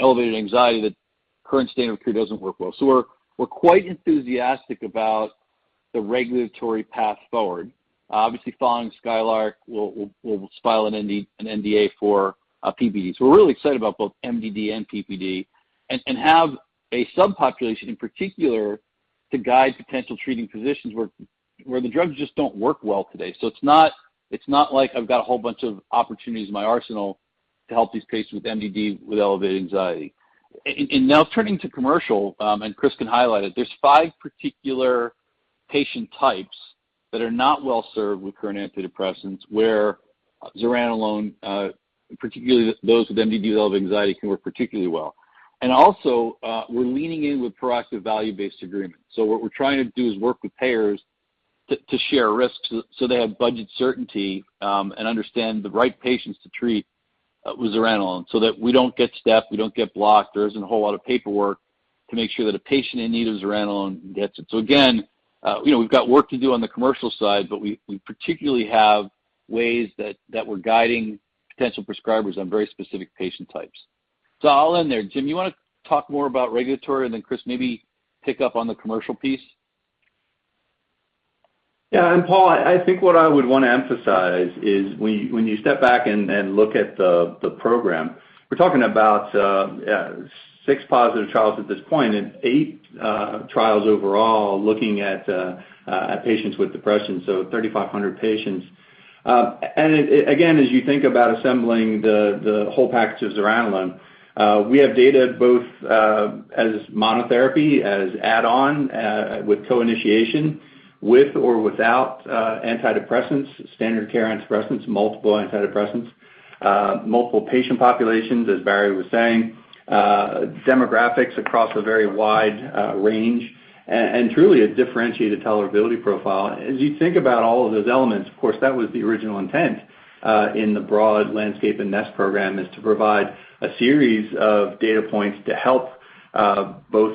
elevated anxiety that current standard of care doesn't work well. We're quite enthusiastic about the regulatory path forward. Obviously, following Skylark, we'll file an NDA for PPD. We're really excited about both MDD and PPD and have a subpopulation in particular to guide potential treating physicians where the drugs just don't work well today. It's not like I've got a whole bunch of opportunities in my arsenal to help these patients with MDD with elevated anxiety. Now turning to commercial, and Chris can highlight it, there's five particular patient types that are not well served with current antidepressants, where zuranolone, particularly those with MDD with elevated anxiety can work particularly well. We're leaning in with proactive value-based agreements. What we're trying to do is work with payers to share risks so they have budget certainty, and understand the right patients to treat with zuranolone so that we don't get stuffed, we don't get blocked, there isn't a whole lot of paperwork to make sure that a patient in need of zuranolone gets it. Again, you know, we've got work to do on the commercial side, but we particularly have ways that we're guiding potential prescribers on very specific patient types. I'll end there. Jim, you wanna talk more about regulatory and then Chris maybe pick up on the commercial piece? Paul, I think what I would wanna emphasize is when you step back and look at the program, we're talking about six positive trials at this point and eight trials overall looking at patients with depression, so 3,500 patients. Again, as you think about assembling the whole package of zuranolone, we have data both as monotherapy, as add-on with co-initiation, with or without antidepressants, standard care antidepressants, multiple antidepressants, multiple patient populations, as Barry was saying. Demographics across a very wide range and truly a differentiated tolerability profile. As you think about all of those elements, of course, that was the original intent in the LANDSCAPE and NEST program, is to provide a series of data points to help both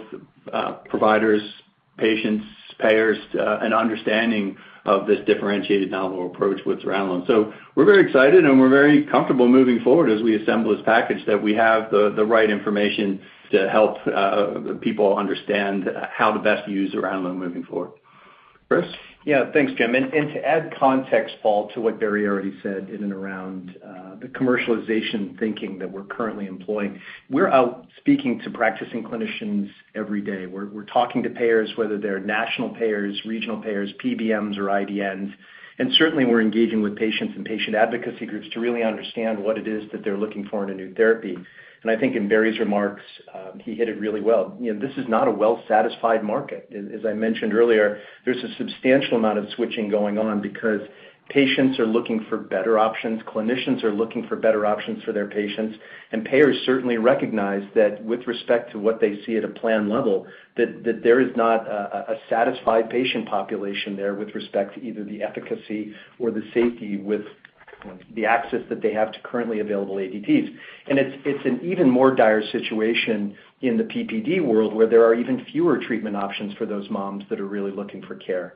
providers, patients, payers, an understanding of this differentiated novel approach with zuranolone. We're very excited, and we're very comfortable moving forward as we assemble this package that we have the right information to help people understand how to best use zuranolone moving forward. Chris? Yeah. Thanks Jim. To add context, Paul, to what Barry already said in and around the commercialization thinking that we're currently employing, we're out speaking to practicing clinicians every day. We're talking to payers, whether they're national payers, regional payers, PBMs or IDNs, and certainly we're engaging with patients and patient advocacy groups to really understand what it is that they're looking for in a new therapy. I think in Barry's remarks, he hit it really well. You know, this is not a well-satisfied market. As I mentioned earlier, there's a substantial amount of switching going on because patients are looking for better options, clinicians are looking for better options for their patients, and payers certainly recognize that with respect to what they see at a plan level, that there is not a satisfied patient population there with respect to either the efficacy or the safety with the access that they have to currently available ADTs. It's an even more dire situation in the PPD world, where there are even fewer treatment options for those moms that are really looking for care.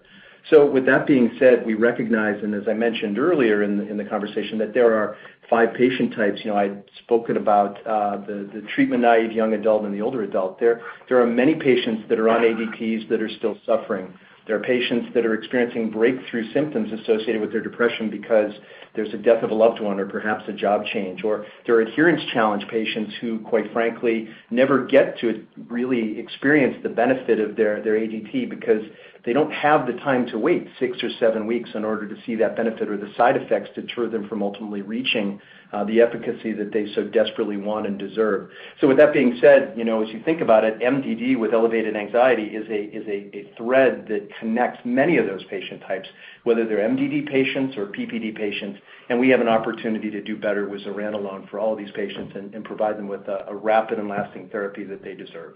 With that being said, we recognize, and as I mentioned earlier in the conversation, that there are five patient types. You know, I'd spoken about the treatment-naive young adult and the older adult. There are many patients that are on ADTs that are still suffering. There are patients that are experiencing breakthrough symptoms associated with their depression because there's a death of a loved one or perhaps a job change. There are adherence challenge patients who, quite frankly, never get to really experience the benefit of their ADT because they don't have the time to wait 6 or 7 weeks in order to see that benefit or the side effects deter them from ultimately reaching the efficacy that they so desperately want and deserve. With that being said, you know, as you think about it, MDD with elevated anxiety is a thread that connects many of those patient types, whether they're MDD patients or PPD patients, and we have an opportunity to do better with zuranolone for all of these patients and provide them with a rapid and lasting therapy that they deserve.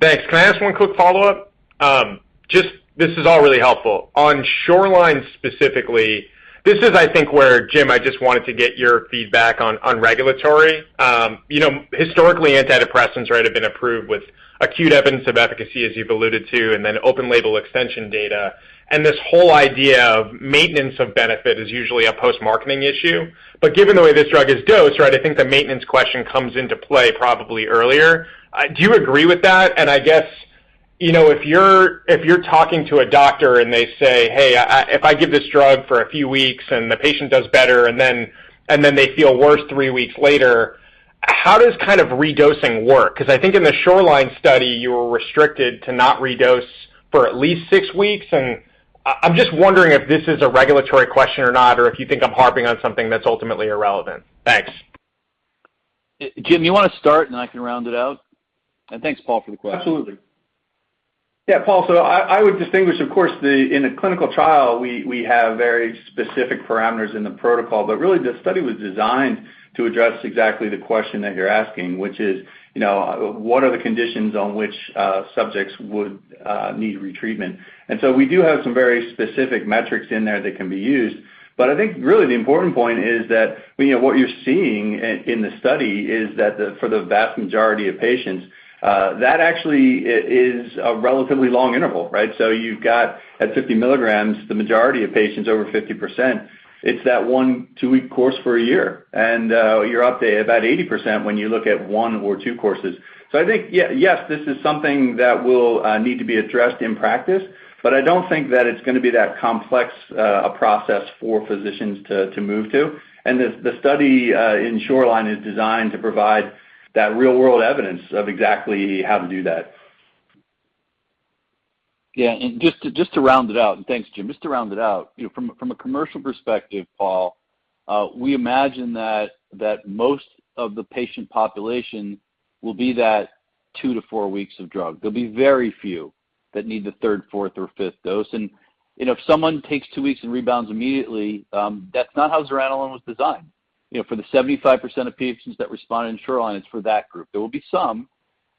Thanks. Can I ask one quick follow-up? Just, this is all really helpful. On SHORELINE specifically, this is I think where, Jim, I just wanted to get your feedback on regulatory. You know, historically, antidepressants, right, have been approved with acute evidence of efficacy, as you've alluded to, and then open-label extension data. This whole idea of maintenance of benefit is usually a post-marketing issue. Given the way this drug is dosed, right, I think the maintenance question comes into play probably earlier. Do you agree with that? I guess, you know, if you're talking to a doctor and they say, "Hey, if I give this drug for a few weeks and the patient does better, and then they feel worse three weeks later," how does kind of redosing work? 'Cause I think in the SHORELINE study, you were restricted to not redose for at least six weeks. I'm just wondering if this is a regulatory question or not, or if you think I'm harping on something that's ultimately irrelevant. Thanks. Jim, you wanna start and I can round it out? Thanks, Paul, for the question. Absolutely. Yeah. Paul, I would distinguish, of course. In a clinical trial, we have very specific parameters in the protocol. Really the study was designed to address exactly the question that you're asking, which is, you know, what are the conditions on which subjects would need retreatment? We do have some very specific metrics in there that can be used. I think really the important point is that, you know, what you're seeing in the study is that for the vast majority of patients, that actually is a relatively long interval, right? You've got at 50 mg, the majority of patients over 50%, it's that one, two-week course for a year. You're up to about 80% when you look at one or two courses. I think yes, this is something that will need to be addressed in practice, but I don't think that it's gonna be that complex a process for physicians to move to. The study in SHORELINE is designed to provide that real-world evidence of exactly how to do that. Thanks Jim. Just to round it out, you know, from a commercial perspective, Paul, we imagine that most of the patient population will be that 2-4 weeks of drug. There'll be very few that need the third, fourth, or fifth dose. You know, if someone takes 2 weeks and rebounds immediately, that's not how zuranolone was designed. You know, for the 75% of patients that respond in SHORELINE, it's for that group. There will be some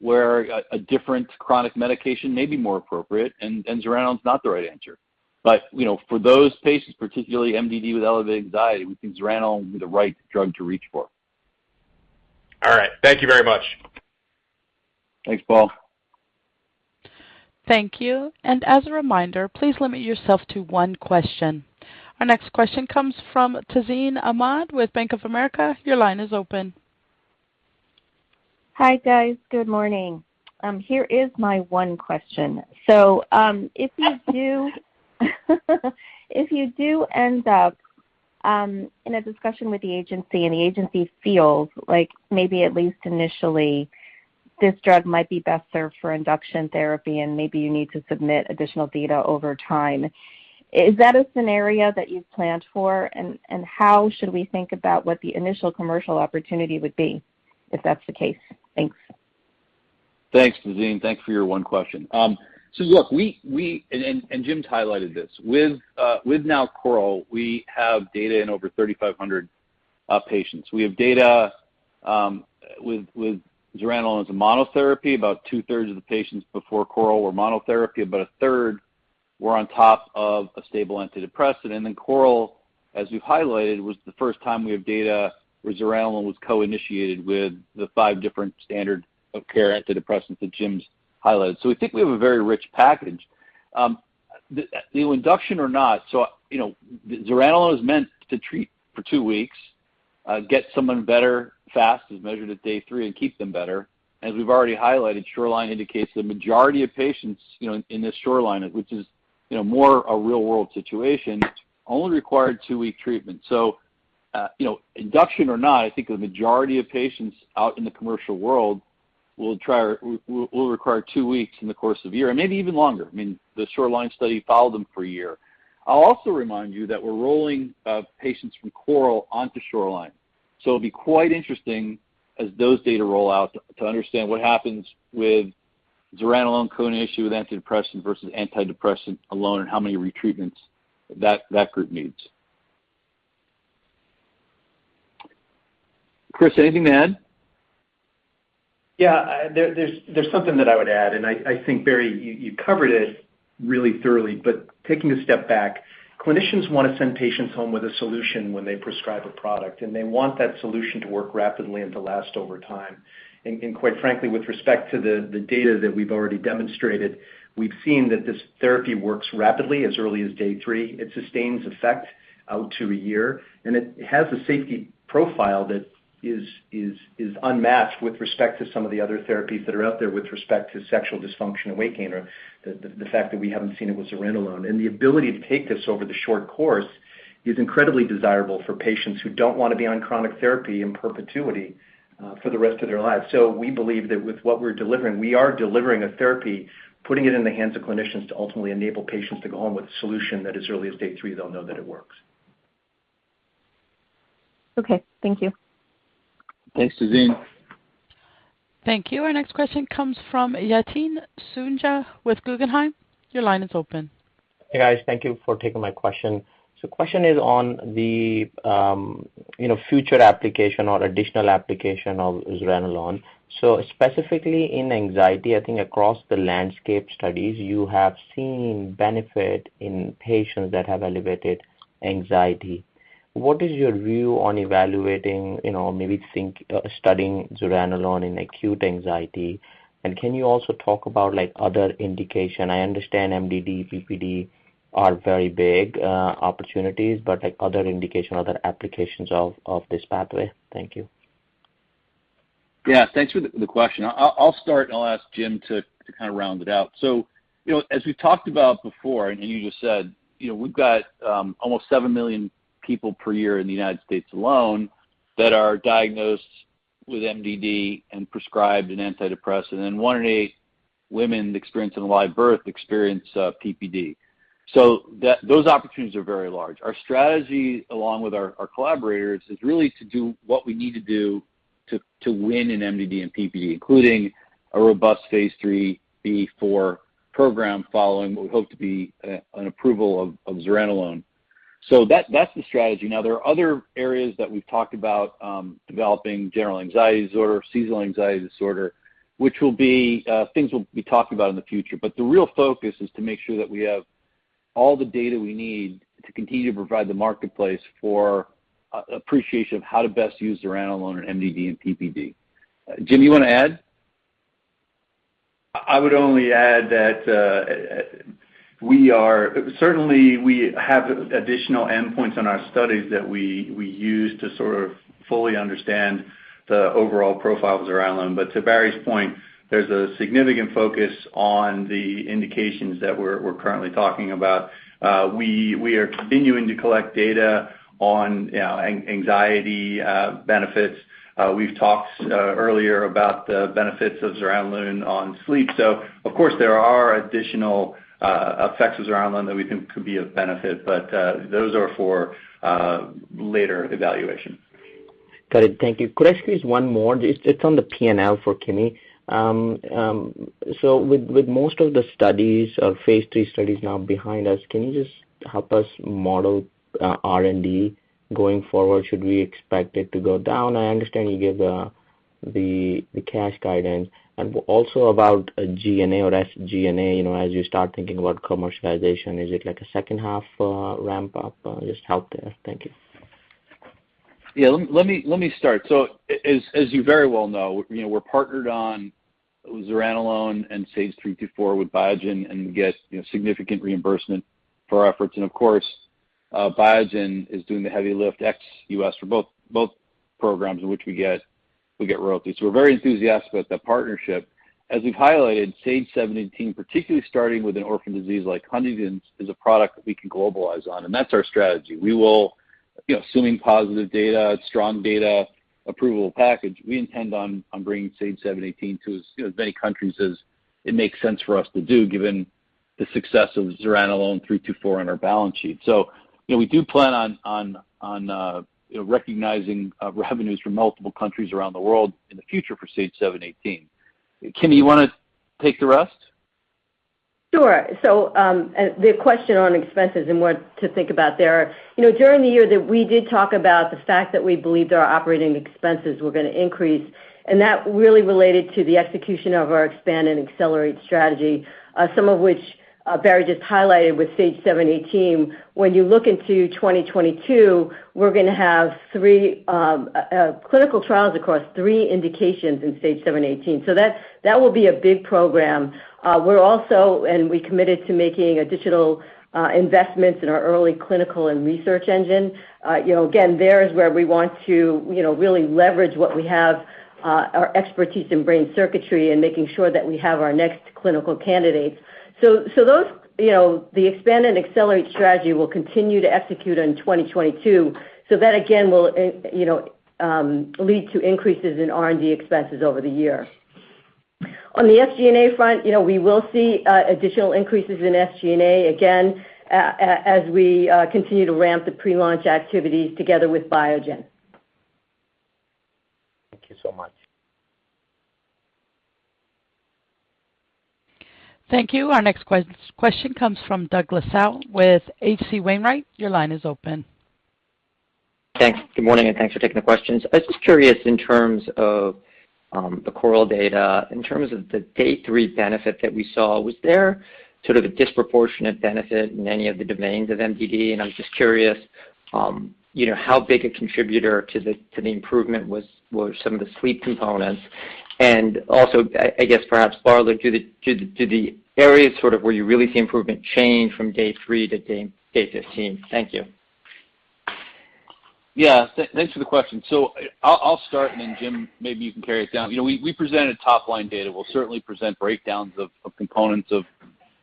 where a different chronic medication may be more appropriate and zuranolone's not the right answer. You know, for those patients, particularly MDD with elevated anxiety, we think zuranolone will be the right drug to reach for. All right. Thank you very much. Thanks Paul. Thank you. As a reminder, please limit yourself to one question. Our next question comes from Tazeen Ahmad with Bank of America. Your line is open. Hi, guys. Good morning. Here is my one question. If you do end up in a discussion with the agency and the agency feels like maybe at least initially this drug might be best served for induction therapy and maybe you need to submit additional data over time, is that a scenario that you've planned for? And how should we think about what the initial commercial opportunity would be if that's the case? Thanks. Thanks Tazeen. Thanks for your one question. Look, Jim has highlighted this. With CORAL, we have data in over 3,500 patients. We have data with zuranolone as a monotherapy. About two-thirds of the patients before CORAL were monotherapy, about a third were on top of a stable antidepressant. Then CORAL, as you've highlighted, was the first time we have data where zuranolone was co-initiated with the five different standard of care antidepressants that Jim has highlighted. We think we have a very rich package. The induction or not, you know, zuranolone is meant to treat for two weeks, get someone better fast as measured at day three and keep them better. As we've already highlighted, SHORELINE indicates the majority of patients, you know, in the SHORELINE, which is, you know, more a real-world situation, only required two-week treatment. You know, induction or not, I think the majority of patients out in the commercial world will try or will require two weeks in the course of a year and maybe even longer. I mean, the SHORELINE study followed them for a year. I'll also remind you that we're rolling patients from CORAL onto SHORELINE. It'll be quite interesting as those data roll out to understand what happens with zuranolone co-initiated with antidepressant versus antidepressant alone, and how many retreatments that group needs. Chris, anything to add? Yeah. There's something that I would add, and I think, Barry, you covered it really thoroughly. Taking a step back, clinicians wanna send patients home with a solution when they prescribe a product, and they want that solution to work rapidly and to last over time. Quite frankly, with respect to the data that we've already demonstrated, we've seen that this therapy works rapidly as early as day 3. It sustains effect out to a year. It has a safety profile that is unmatched with respect to some of the other therapies that are out there with respect to sexual dysfunction and weight gain, or the fact that we haven't seen it with zuranolone. The ability to take this over the short course is incredibly desirable for patients who don't wanna be on chronic therapy in perpetuity, for the rest of their lives. We believe that with what we're delivering, we are delivering a therapy, putting it in the hands of clinicians to ultimately enable patients to go home with a solution that as early as day three, they'll know that it works. Okay. Thank you. Thanks Tazeen Ahmad. Thank you. Our next question comes from Yatin Suneja with Guggenheim. Your line is open. Hey, guys. Thank you for taking my question. Question is on the, you know, future application or additional application of zuranolone. Specifically in anxiety, I think across the landscape studies, you have seen benefit in patients that have elevated anxiety. What is your view on evaluating, you know, maybe think, studying zuranolone in acute anxiety? And can you also talk about, like, other indication? I understand MDD, PPD are very big opportunities, but like other indication, other applications of this pathway. Thank you. Thanks for the question. I'll start, and I'll ask Jim to kinda round it out. You know, as we've talked about before, and you just said, you know, we've got almost 7 million people per year in the United States alone that are diagnosed with MDD and prescribed an antidepressant. One in eight women experience PPD after a live birth. Those opportunities are very large. Our strategy along with our collaborators is really to do what we need to do to win in MDD and PPD, including a robust phase IIIb/4 program following what we hope to be an approval of zuranolone. That's the strategy. Now, there are other areas that we've talked about, developing generalized anxiety disorder, social anxiety disorder, which will be things we'll be talking about in the future. The real focus is to make sure that we have all the data we need to continue to provide the marketplace for appreciation of how to best use zuranolone in MDD and PPD. Jim, you wanna add? I would only add that we certainly have additional endpoints in our studies that we use to sort of fully understand the overall profile of zuranolone. But to Barry's point, there's a significant focus on the indications that we're currently talking about. We are continuing to collect data on, you know, anxiety benefits. We've talked earlier about the benefits of zuranolone on sleep. Of course, there are additional effects of zuranolone that we think could be of benefit, but those are for later evaluation. Got it. Thank you. Could I squeeze one more? It's on the P&L for Kimi. With most of the studies, phase III studies now behind us, can you just help us model R&D going forward? Should we expect it to go down? I understand you gave the cash guidance. Also about G&A or SG&A, you know, as you start thinking about commercialization, is it like a second half ramp up? Just help there. Thank you. Yeah. Let me start. As you very well know, you know, we're partnered on zuranolone and SAGE-324 with Biogen and get, you know, significant reimbursement for our efforts. Of course, Biogen is doing the heavy lift ex-U.S. for both programs in which we get royalties. We're very enthusiastic about that partnership. As we've highlighted, SAGE-718, particularly starting with an orphan disease like Huntington's, is a product that we can globalize on, and that's our strategy. We will, you know, assuming positive data, strong data, approvable package, we intend on bringing SAGE-718 to as, you know, as many countries as it makes sense for us to do given the success of zuranolone and SAGE-324 on our balance sheet. You know, we do plan on recognizing revenues from multiple countries around the world in the future for SAGE-718. Kimi, you wanna take the rest? Sure. The question on expenses and what to think about there. You know, during the year that we did talk about the fact that we believed our operating expenses were gonna increase, and that really related to the execution of our expand and accelerate strategy, some of which Barry just highlighted with SAGE-718. When you look into 2022, we're gonna have 3 clinical trials across 3 indications in SAGE-718. That will be a big program. We're also committed to making additional investments in our early clinical and research engine. You know, again, there is where we want to, you know, really leverage what we have, our expertise in brain circuitry and making sure that we have our next clinical candidates. Those, you know, the expand and accelerate strategy will continue to execute in 2022. That again will, you know, lead to increases in R&D expenses over the year. On the SG&A front, you know, we will see additional increases in SG&A, again, as we continue to ramp the pre-launch activities together with Biogen. Thank you so much. Thank you. Our next question comes from Douglas Tsao with H.C. Wainwright. Your line is open. Thanks. Good morning, and thanks for taking the questions. I was just curious in terms of the CORAL data, in terms of the day 3 benefit that we saw, was there sort of a disproportionate benefit in any of the domains of MDD? And I'm just curious, you know, how big a contributor to the improvement were some of the sleep components. And also, I guess perhaps farther, do the areas sort of where you really see improvement change from day 3 to day 15? Thank you. Yeah. Thanks for the question. I'll start and then Jim, maybe you can carry it on. You know, we presented top-line data. We'll certainly present breakdowns of components of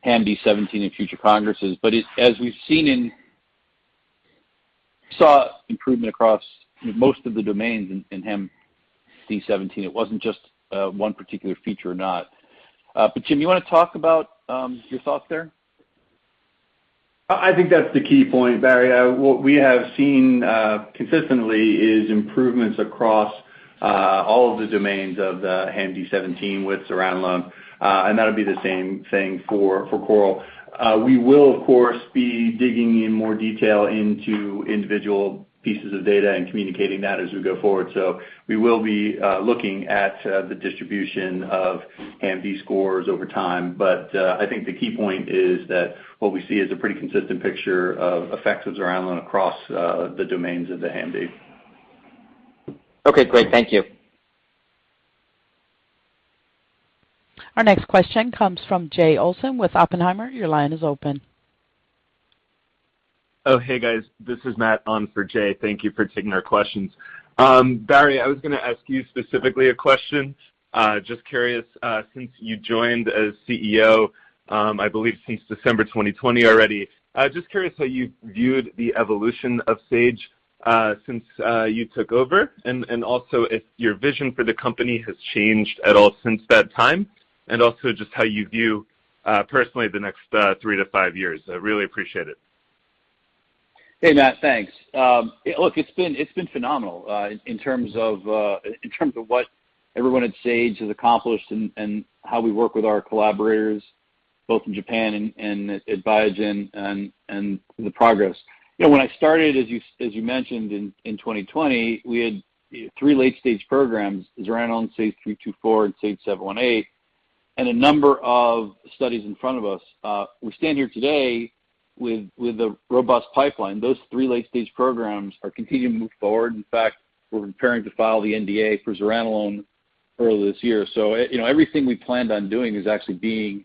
HAMD-17 in future congresses. As we've seen, we saw improvement across most of the domains in HAMD-17. It wasn't just one particular feature or not. Jim, you wanna talk about your thoughts there? I think that's the key point, Barry. What we have seen consistently is improvements across all of the domains of the HAM-D 17 with zuranolone, and that'll be the same thing for CORAL. We will of course be digging in more detail into individual pieces of data and communicating that as we go forward. We will be looking at the distribution of HAM-D scores over time. I think the key point is that what we see is a pretty consistent picture of effects of zuranolone across the domains of the HAM-D. Okay, great. Thank you. Our next question comes from Jay Olson with Oppenheimer. Your line is open. Oh, hey, guys. This is Matt on for Jay. Thank you for taking our questions. Barry, I was gonna ask you specifically a question. Just curious, since you joined as CEO, I believe since December 2020 already, just curious how you viewed the evolution of Sage, since you took over, and also if your vision for the company has changed at all since that time, and also just how you view, personally the next 3 to 5 years. I really appreciate it. Hey, Matt, thanks. Look, it's been phenomenal in terms of what everyone at Sage has accomplished and how we work with our collaborators both in Japan and at Biogen and the progress. You know, when I started, as you mentioned in 2020, we had three late-stage programs, zuranolone, SAGE-324 and SAGE-718, and a number of studies in front of us. We stand here today with a robust pipeline. Those three late-stage programs are continuing to move forward. In fact, we're preparing to file the NDA for zuranolone early this year. You know, everything we planned on doing is actually being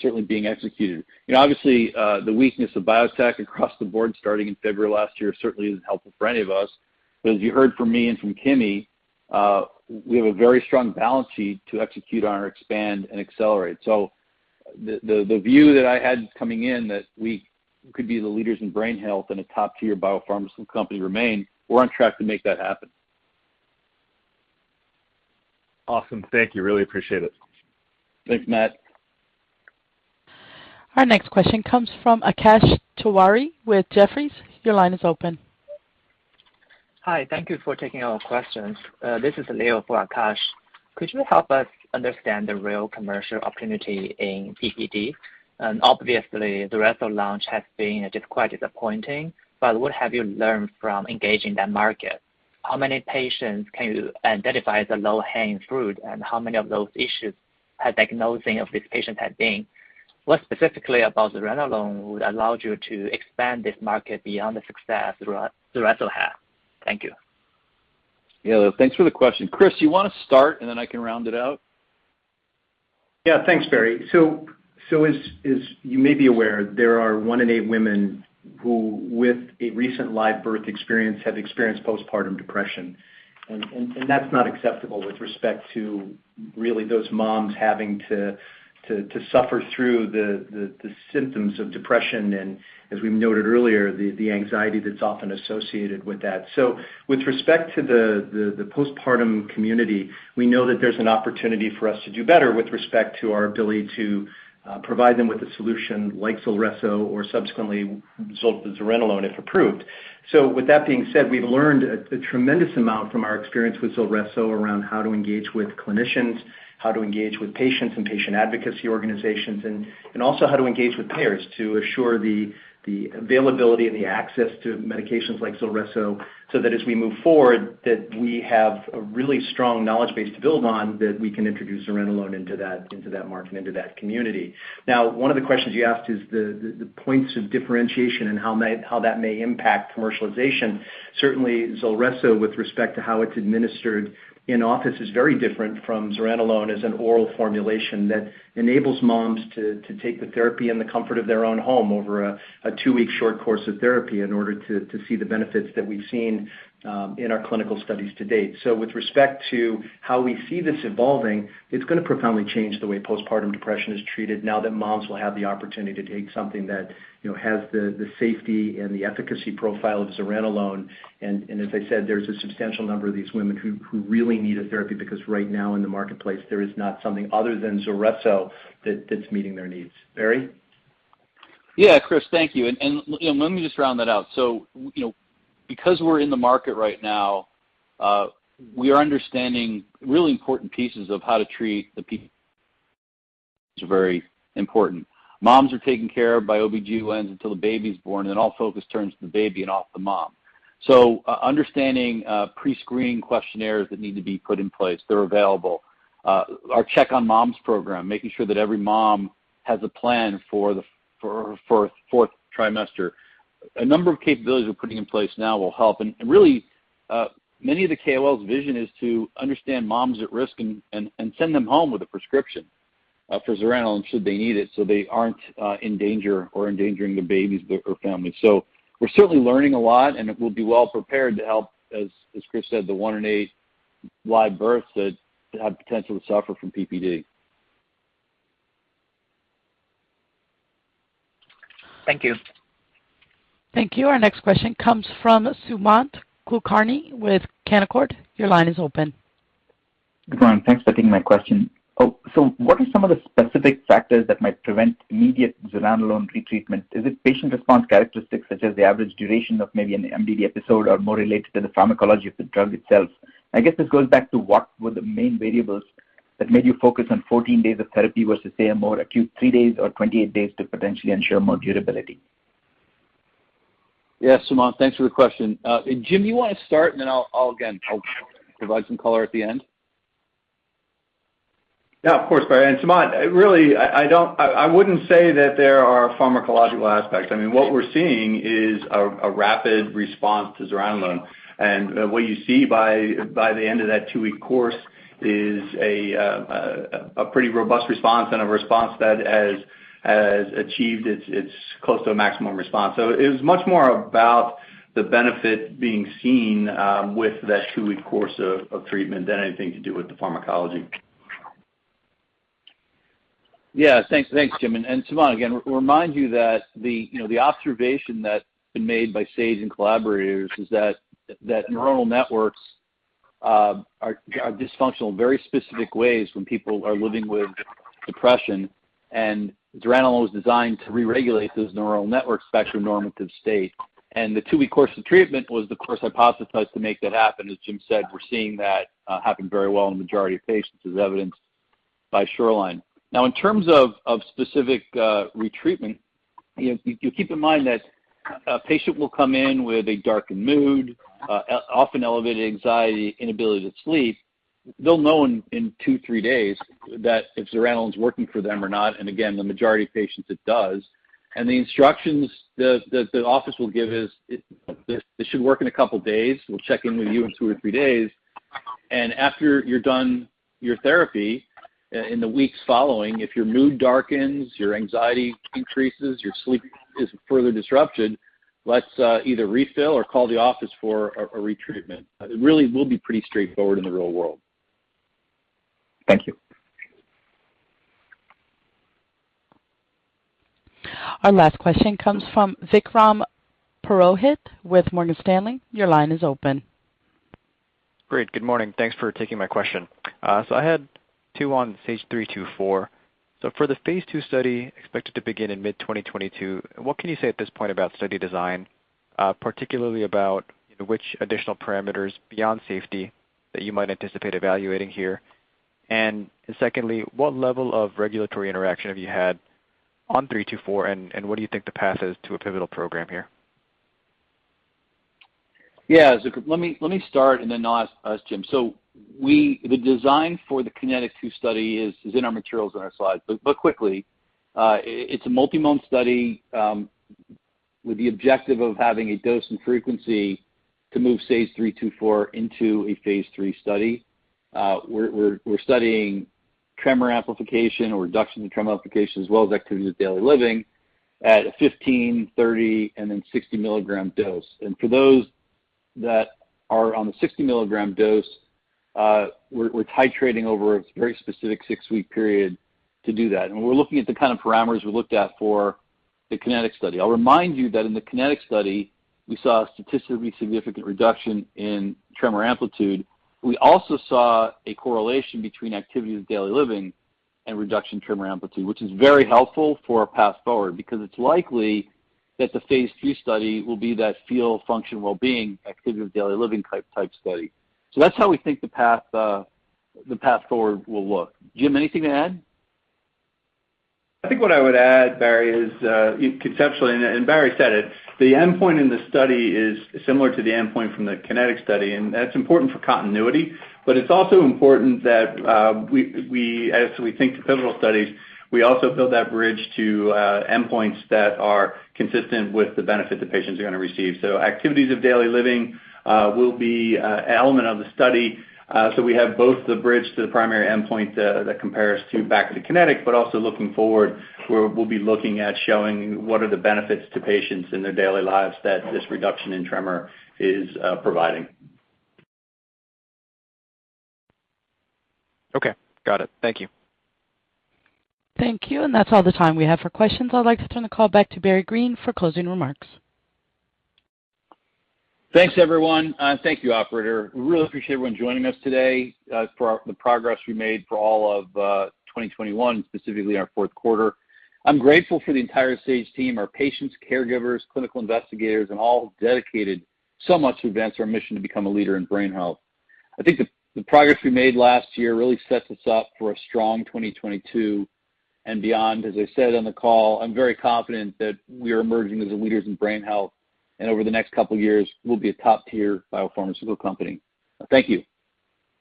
certainly executed. You know, obviously, the weakness of biotech across the board starting in February of last year certainly isn't helpful for any of us. As you heard from me and from Kimi, we have a very strong balance sheet to execute on our expand and accelerate. The view that I had coming in that we could be the leaders in brain health and a top-tier biopharmaceutical company remain. We're on track to make that happen. Awesome. Thank you. Really appreciate it. Thanks Matt. Our next question comes from Akash Tewari with Jefferies. Your line is open. Hi. Thank you for taking our questions. This is Leo for Akash. Could you help us understand the real commercial opportunity in PPD? Obviously, the Zulresso launch has been just quite disappointing, but what have you learned from engaging that market? How many patients can you identify as a low-hanging fruit, and how many of those issues has diagnosing of these patients had been? What specifically about zuranolone would allow you to expand this market beyond the success Zulresso had? Thank you. Yeah, Leo, thanks for the question. Chris, you wanna start, and then I can round it out? Yeah. Thanks, Barry. As you may be aware, there are one in eight women who, with a recent live birth experience, have experienced postpartum depression. That's not acceptable with respect to really those moms having to suffer through the symptoms of depression, and as we noted earlier, the anxiety that's often associated with that. With respect to the postpartum community, we know that there's an opportunity for us to do better with respect to our ability to provide them with a solution like Zulresso or subsequently zuranolone, if approved. With that being said, we've learned a tremendous amount from our experience with Zulresso around how to engage with clinicians, how to engage with patients and patient advocacy organizations, and also how to engage with payers to assure the availability and the access to medications like Zulresso, so that as we move forward, that we have a really strong knowledge base to build on, that we can introduce zuranolone into that market, into that community. Now, one of the questions you asked is the points of differentiation and how that may impact commercialization. Certainly, Zulresso, with respect to how it's administered in office, is very different from zuranolone as an oral formulation that enables moms to take the therapy in the comfort of their own home over a two-week short course of therapy in order to see the benefits that we've seen in our clinical studies to date. With respect to how we see this evolving, it's gonna profoundly change the way postpartum depression is treated now that moms will have the opportunity to take something that, you know, has the safety and the efficacy profile of zuranolone. As I said, there's a substantial number of these women who really need a therapy because right now in the marketplace, there is not something other than Zulresso that's meeting their needs. Barry? Yeah. Chris, thank you. You know, let me just round that out. You know, because we're in the market right now, we are understanding really important pieces of how to treat. It's very important. Moms are taken care of by OB/GYNs until the baby's born, and then all focus turns to the baby and off the mom. Understanding pre-screening questionnaires that need to be put in place, they're available. Our Check On Moms program, making sure that every mom has a plan for the fourth trimester. A number of capabilities we're putting in place now will help. Really, many of the KOLs' vision is to understand moms at risk and send them home with a prescription for zuranolone should they need it, so they aren't in danger or endangering their babies or family. We're certainly learning a lot, and we'll be well prepared to help, as Chris said, the 1 in 8 live births that have potential to suffer from PPD. Thank you. Thank you. Our next question comes from Sumant Kulkarni with Canaccord. Your line is open. Good morning. Thanks for taking my question. Oh, so what are some of the specific factors that might prevent immediate zuranolone retreatment? Is it patient response characteristics such as the average duration of maybe an MDD episode or more related to the pharmacology of the drug itself? I guess this goes back to what were the main variables that made you focus on 14 days of therapy versus, say, a more acute 3 days or 28 days to potentially ensure more durability? Yeah. Sumant, thanks for the question. Jim, you wanna start? I'll provide some color at the end. Yeah. Of course, Barry. Sumant really, I wouldn't say that there are pharmacological aspects. I mean, what we're seeing is a rapid response to zuranolone. What you see by the end of that two-week course is a pretty robust response and a response that has achieved its close to a maximum response. It was much more about the benefit being seen with that two-week course of treatment than anything to do with the pharmacology. Yeah. Thanks. Thanks Jim. Sumant, again, remind you that the, you know, the observation that's been made by Sage and collaborators is that neuronal networks are dysfunctional in very specific ways when people are living with depression. zuranolone was designed to re-regulate those neuronal networks back to a normative state. The 2-week course of treatment was the course hypothesized to make that happen. As Jim said, we're seeing that happen very well in the majority of patients as evidenced by SHORELINE. Now, in terms of specific retreatment, you know, you keep in mind that a patient will come in with a darkened mood, often elevated anxiety, inability to sleep. They'll know in 2, 3 days that if zuranolone is working for them or not. Again, the majority of patients it does. The instructions the office will give is it should work in a couple days. We'll check in with you in two or three days. After you're done your therapy, in the weeks following, if your mood darkens, your anxiety increases, your sleep is further disrupted, let's either refill or call the office for a retreatment. It really will be pretty straightforward in the real world. Thank you. Our last question comes from Vikram Purohit with Morgan Stanley. Your line is open. Great. Good morning. Thanks for taking my question. I had two on SAGE-324. For the phase II study expected to begin in mid-2022, what can you say at this point about study design, particularly about which additional parameters beyond safety that you might anticipate evaluating here? And secondly, what level of regulatory interaction have you had on SAGE-324, and what do you think the path is to a pivotal program here? Yeah. Let me start and then I'll ask Jim. The design for the KINETIC 2 study is in our materials in our slides. Quickly, it's a multi-month study with the objective of having a dose and frequency to move SAGE-324 into a phase III study. We're studying tremor amplification or reduction in tremor amplification as well as activities of daily living at a 15, 30, and 60 mg dose. For those that are on the 60 mg dose, we're titrating over a very specific six-week period to do that. We're looking at the kind of parameters we looked at for the KINETIC study. I'll remind you that in the KINETIC study, we saw a statistically significant reduction in tremor amplitude. We also saw a correlation between activities of daily living and reduction in tremor amplitude, which is very helpful for our path forward because it's likely that the phase III study will be that feel, function, wellbeing, activity of daily living type study. That's how we think the path forward will look. Jim, anything to add? I think what I would add, Barry, is conceptually, and Barry said it, the endpoint in the study is similar to the endpoint from the KINETIC study, and that's important for continuity. It's also important that we as we think through pivotal studies, we also build that bridge to endpoints that are consistent with the benefit the patients are going to receive. Activities of daily living will be an element of the study. We have both the bridge to the primary endpoint that compares to back to the KINETIC, but also looking forward, we'll be looking at showing what are the benefits to patients in their daily lives that this reduction in tremor is providing. Okay. Got it. Thank you. Thank you. That's all the time we have for questions. I'd like to turn the call back to Barry Greene for closing remarks. Thanks everyone. Thank you operator. We really appreciate everyone joining us today for the progress we made for all of 2021, specifically our fourth quarter. I'm grateful for the entire Sage team, our patients, caregivers, clinical investigators, and all who dedicated so much to advance our mission to become a leader in brain health. I think the progress we made last year really sets us up for a strong 2022 and beyond. As I said on the call, I'm very confident that we are emerging as the leaders in brain health, and over the next couple of years, we'll be a top-tier biopharmaceutical company. Thank you.